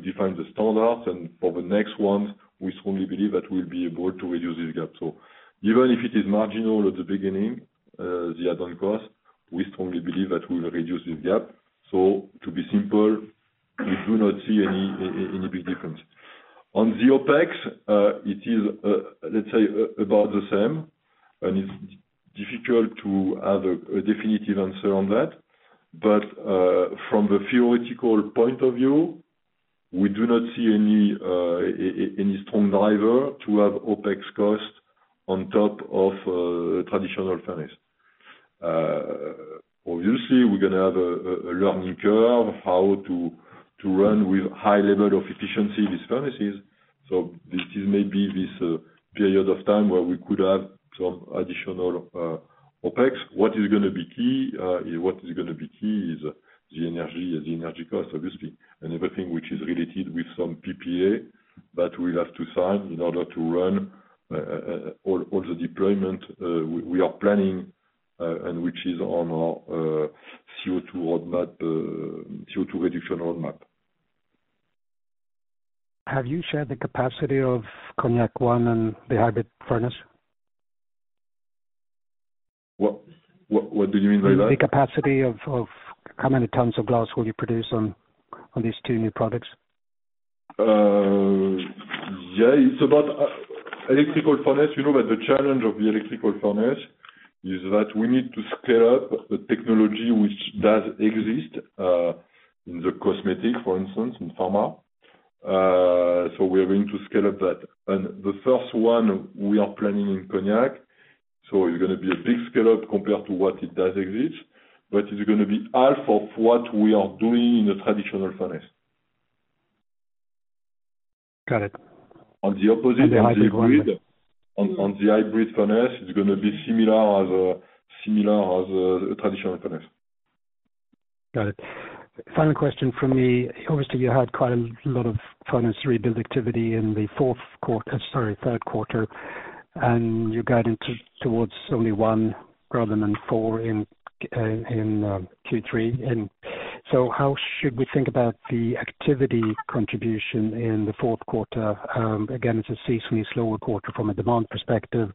[SPEAKER 2] define the standards. For the next one, we strongly believe that we'll be able to reduce this gap. Even if it is marginal at the beginning, the add-on cost, we strongly believe that we'll reduce this gap. To be simple, we do not see any big difference. On the Opex, it is, let's say about the same, and it's difficult to have a definitive answer on that. From the theoretical point of view, we do not see any strong driver to have Opex cost on top of traditional furnace. Obviously, we're gonna have a learning curve, how to run with high level of efficiency, these furnaces. This is maybe this period of time where we could have some additional Opex. What is gonna be key is the energy, the energy cost, obviously, and everything which is related with some PPA that we have to sign in order to run all the deployment we are planning, and which is on our CO2 roadmap, CO2 reduction roadmap.
[SPEAKER 9] Have you shared the capacity of Cognac one and the hybrid furnace?
[SPEAKER 2] What do you mean by that?
[SPEAKER 9] The capacity of how many tons of glass will you produce on these two new products?
[SPEAKER 2] Yeah. It's about electrical furnace. You know that the challenge of the electrical furnace is that we need to scale up the technology which does exist in the cosmetic, for instance, in pharma, so we are going to scale up that. The first one we are planning in Cognac, so it's gonna be a big scale up compared to what it does exist, but it's gonna be half of what we are doing in the traditional furnace.
[SPEAKER 9] Got it.
[SPEAKER 2] On the opposite-
[SPEAKER 9] The hybrid one.
[SPEAKER 2] On the hybrid furnace, it's gonna be similar as the traditional furnace.
[SPEAKER 9] Got it. Final question from me. Obviously, you had quite a lot of furnace rebuild activity in the third quarter. You're guiding towards only 1 rather than 4 in Q3. How should we think about the activity contribution in the fourth quarter? Again, it's a seasonally slower quarter from a demand perspective.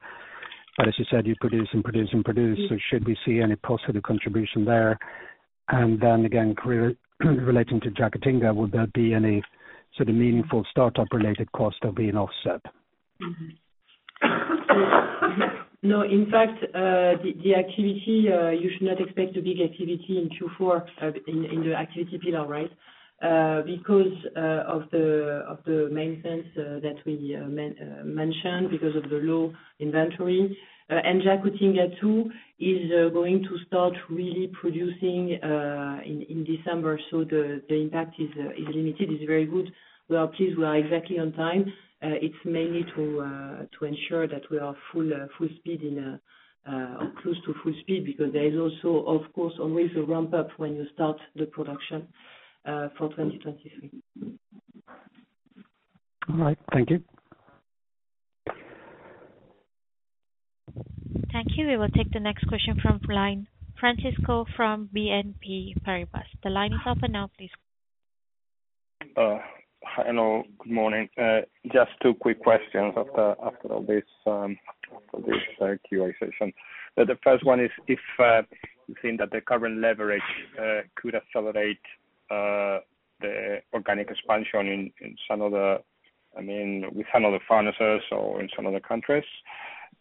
[SPEAKER 9] As you said, you produce and produce and produce. Should we see any positive contribution there? Relating to Jacutinga, would there be any sort of meaningful startup-related costs that are being offset?
[SPEAKER 3] No. In fact, the activity, you should not expect a big activity in Q4, in the activity pillar, right? Because of the maintenance that we mentioned because of the low inventory. Jacutinga too is going to start really producing in December, so the impact is limited. It's very good. We are pleased we are exactly on time. It's mainly to ensure that we are full speed in close to full speed because there is also, of course, always a ramp up when you start the production for 2023.
[SPEAKER 9] All right. Thank you.
[SPEAKER 1] Thank you. We will take the next question from line. Francisco from BNP Paribas. The line is open now, please.
[SPEAKER 10] Hello. Good morning. Just two quick questions after all this, after this Q&A session. The first one is if you think that the current leverage could accelerate the organic expansion with some other furnaces or in some other countries.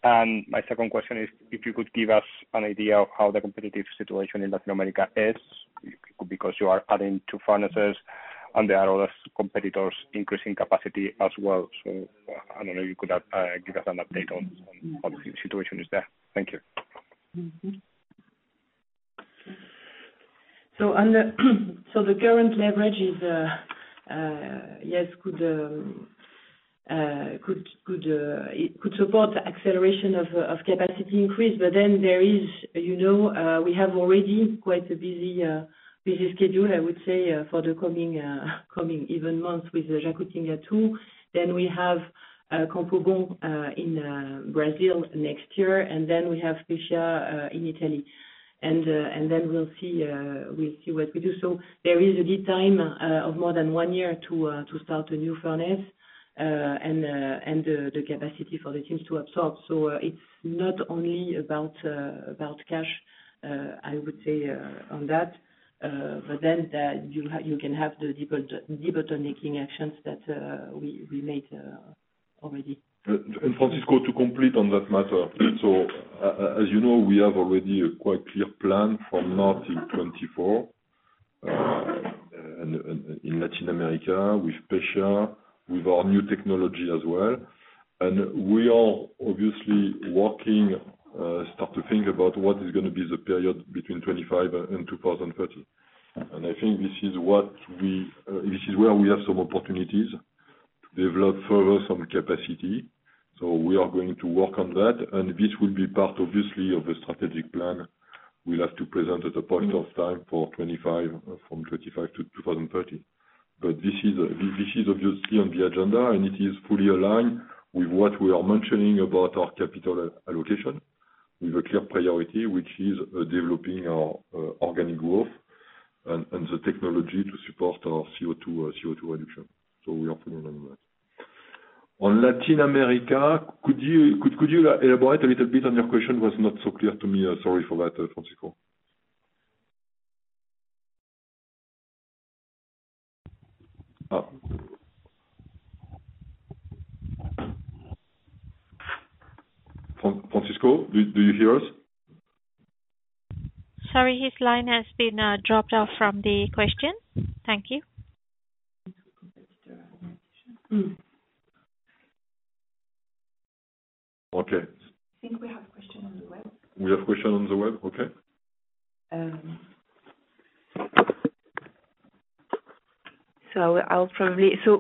[SPEAKER 10] My second question is if you could give us an idea of how the competitive situation in Latin America is because you are adding two furnaces and there are other competitors increasing capacity as well. I don't know, you could give us an update on the situation there. Thank you.
[SPEAKER 3] The current leverage is, yes, it could support the acceleration of capacity increase. There is, you know, we have already quite a busy schedule, I would say, for the coming even months with the Jacutinga too. We have Campo Bom in Brazil next year, and then we have Pescia in Italy. We'll see what we do. There is a lead time of more than one year to start a new furnace, and the capacity for the teams to absorb. It's not only about cash, I would say, on that. You can have the debottlenecking actions that we made already.
[SPEAKER 2] Francisco, to complete on that matter. As you know, we have already a quite clear plan from now till 2024, in Latin America with Pescia, with our new technology as well. We are obviously working, start to think about what is gonna be the period between 2025 and 2030. I think this is what we, this is where we have some opportunities to develop further some capacity. We are going to work on that. This will be part, obviously, of a strategic plan we'll have to present at a point of time for 2025, from 2025 to 2030. This is, this is obviously on the agenda, and it is fully aligned with what we are mentioning about our capital allocation. With a clear priority, which is developing our organic growth and the technology to support our CO2 reduction. We are fully on that. On Latin America, could you elaborate a little bit? Your question was not so clear to me. Sorry for that, Francisco. Francisco, do you hear us?
[SPEAKER 1] Sorry, his line has been dropped off from the question. Thank you.
[SPEAKER 2] Okay.
[SPEAKER 3] I think we have a question on the web.
[SPEAKER 2] We have question on the web. Okay.
[SPEAKER 3] Um.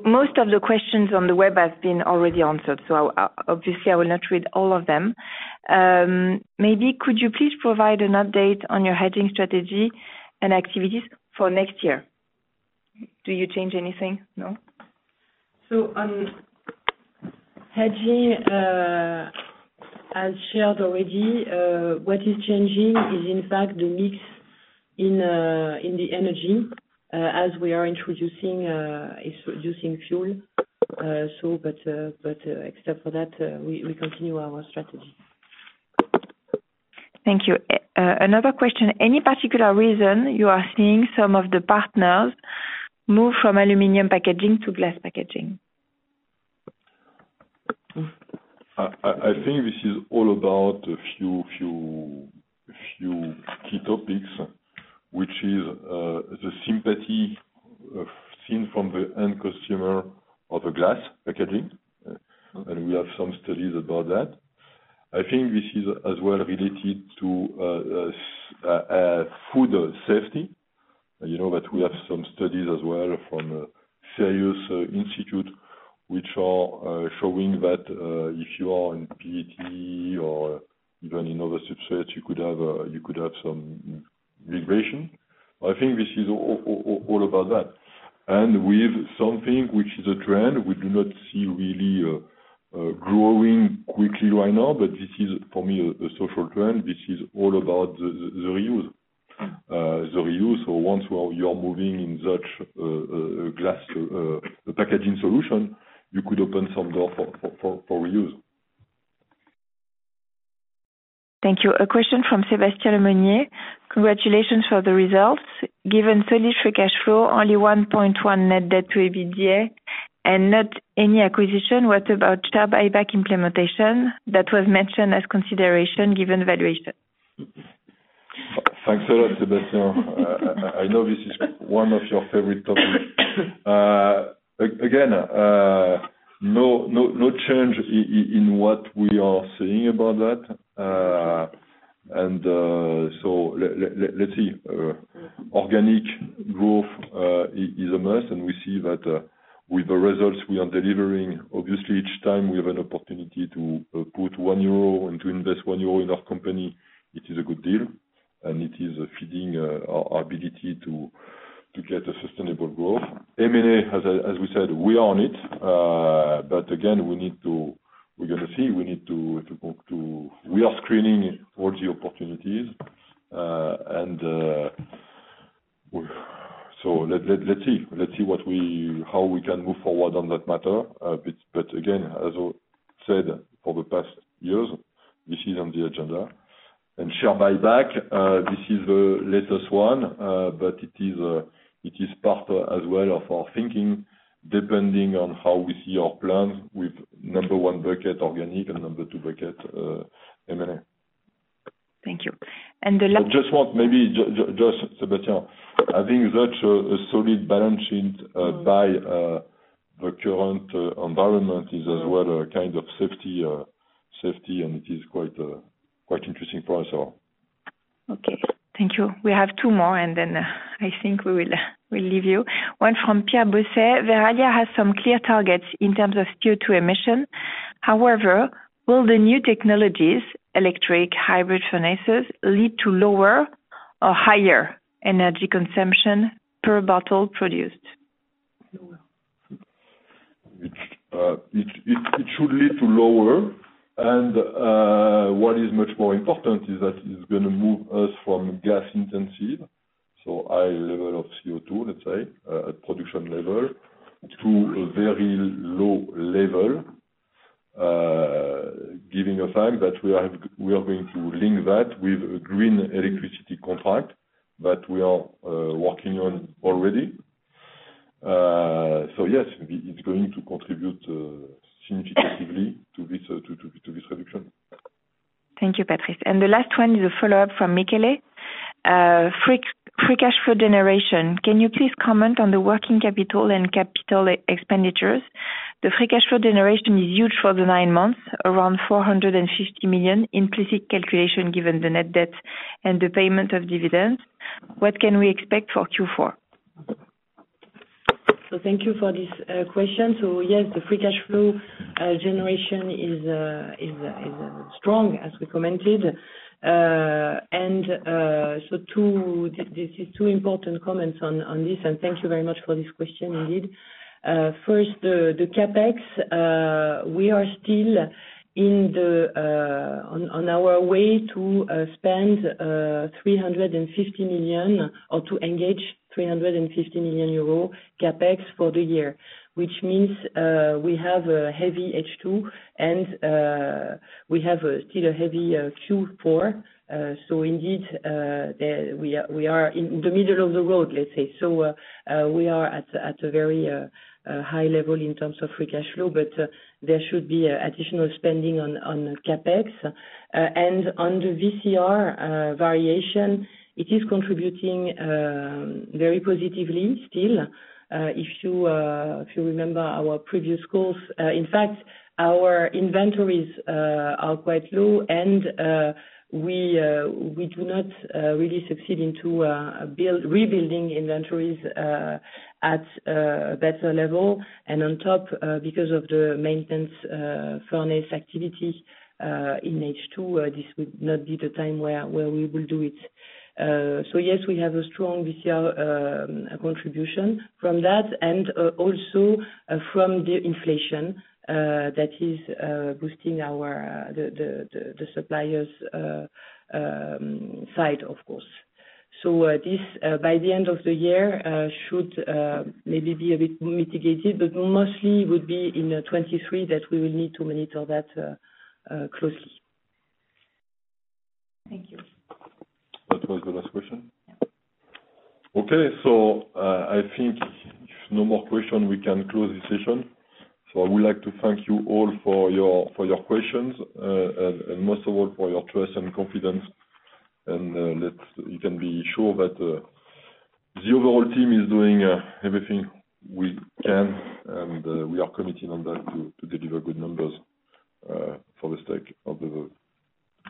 [SPEAKER 10] Most of the questions on the web have been already answered, so obviously I will not read all of them. Maybe could you please provide an update on your hedging strategy and activities for next year? Do you change anything? No.
[SPEAKER 3] On hedging, as shared already, what is changing is in fact the mix in the energy, as we are introducing fuel. Except for that, we continue our strategy.
[SPEAKER 10] Thank you. Another question. Any particular reason you are seeing some of the partners move from aluminum packaging to glass packaging?
[SPEAKER 2] I think this is all about a few key topics, which is the sustainability seen from the end consumer of a glass packaging. We have some studies about that. I think this is as well related to food safety. You know that we have some studies as well from CSIR Institute, which are showing that if you are in PET or even in other substrates, you could have some migration. I think this is all about that. With something which is a trend, we do not see really growing quickly right now, but this is, for me, a social trend. This is all about the reuse. The reuse, or ones where you are moving into such glass packaging solutions, you could open some doors for reuse.
[SPEAKER 1] Thank you. A question from Sébastien Monnier. Congratulations for the results. Given EUR 33 cash flow, only 1.1 net debt to EBITDA, and not any acquisition, what about share buyback implementation that was mentioned as consideration given valuation?
[SPEAKER 2] Thanks a lot, Sébastien. I know this is one of your favorite topics. No change in what we are saying about that. Let's see. Organic growth is a must, and we see that with the results we are delivering. Obviously each time we have an opportunity to put 1 euro and to invest 1 euro in our company, it is a good deal, and it is feeding our ability to get a sustainable growth. M&A, as we said, we are on it. But again, we're gonna see. We need to talk to. We are screening all the opportunities. Let's see what we, how we can move forward on that matter. Again, as I said for the past years, this is on the agenda. Share buyback, this is the latest one, but it is part as well of our thinking, depending on how we see our plans with number one bracket organic and number two bracket, M&A.
[SPEAKER 1] Thank you.
[SPEAKER 2] Just one, maybe just, Sébastien, I think that's a solid balance sheet. In the current environment, it's as well a kind of safety, and it is quite interesting for us all.
[SPEAKER 1] Okay. Thank you. We have two more, and then I think we will, we'll leave you. One from Pierre Bosset. Verallia has some clear targets in terms of CO2 emission. However, will the new technologies, electric hybrid furnaces, lead to lower or higher energy consumption per bottle produced?
[SPEAKER 2] It should lead to lower. What is much more important is that it's gonna move us from gas intensive, so high level of CO2, let's say, at production level, to a very low level, giving a sign that we are going to link that with a green electricity contract that we are working on already. Yes, it's going to contribute significantly to this reduction.
[SPEAKER 1] Thank you, Patrice. The last one is a follow-up from Michele. Free cash flow generation. Can you please comment on the working capital and capital expenditures? The free cash flow generation is huge for the 9 months, around 450 million, implicit calculation, given the net debt and the payment of dividends. What can we expect for Q4?
[SPEAKER 3] Thank you for this question. Yes, the free cash flow generation is strong, as we commented. This is two important comments on this, and thank you very much for this question indeed. First, the CapEx, we are still on our way to spend 350 million, or to engage 350 million euro CapEx for the year, which means we have a heavy H2 and we have a still heavy Q4. Indeed, we are in the middle of the road, let's say. We are at a very high level in terms of free cash flow, but there should be additional spending on CapEx. On the WCR variation, it is contributing very positively still. If you remember our previous calls, in fact, our inventories are quite low and we do not really succeed in rebuilding inventories at a better level. On top, because of the maintenance furnace activity in H2, this would not be the time where we will do it. Yes, we have a strong WCR contribution from that and also from the inflation that is boosting our suppliers' side, of course. This by the end of the year should maybe be a bit mitigated, but mostly it would be in 2023 that we will need to monitor that closely.
[SPEAKER 1] Thank you.
[SPEAKER 2] That was the last question?
[SPEAKER 1] Yeah.
[SPEAKER 2] Okay. I think if no more question, we can close the session. I would like to thank you all for your questions. most of all for your trust and confidence. you can be sure that the overall team is doing everything we can, and we are committing on that to deliver good numbers for the sake of the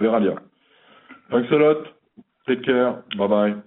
[SPEAKER 2] Verallia. Thanks a lot. Take care. Bye-bye.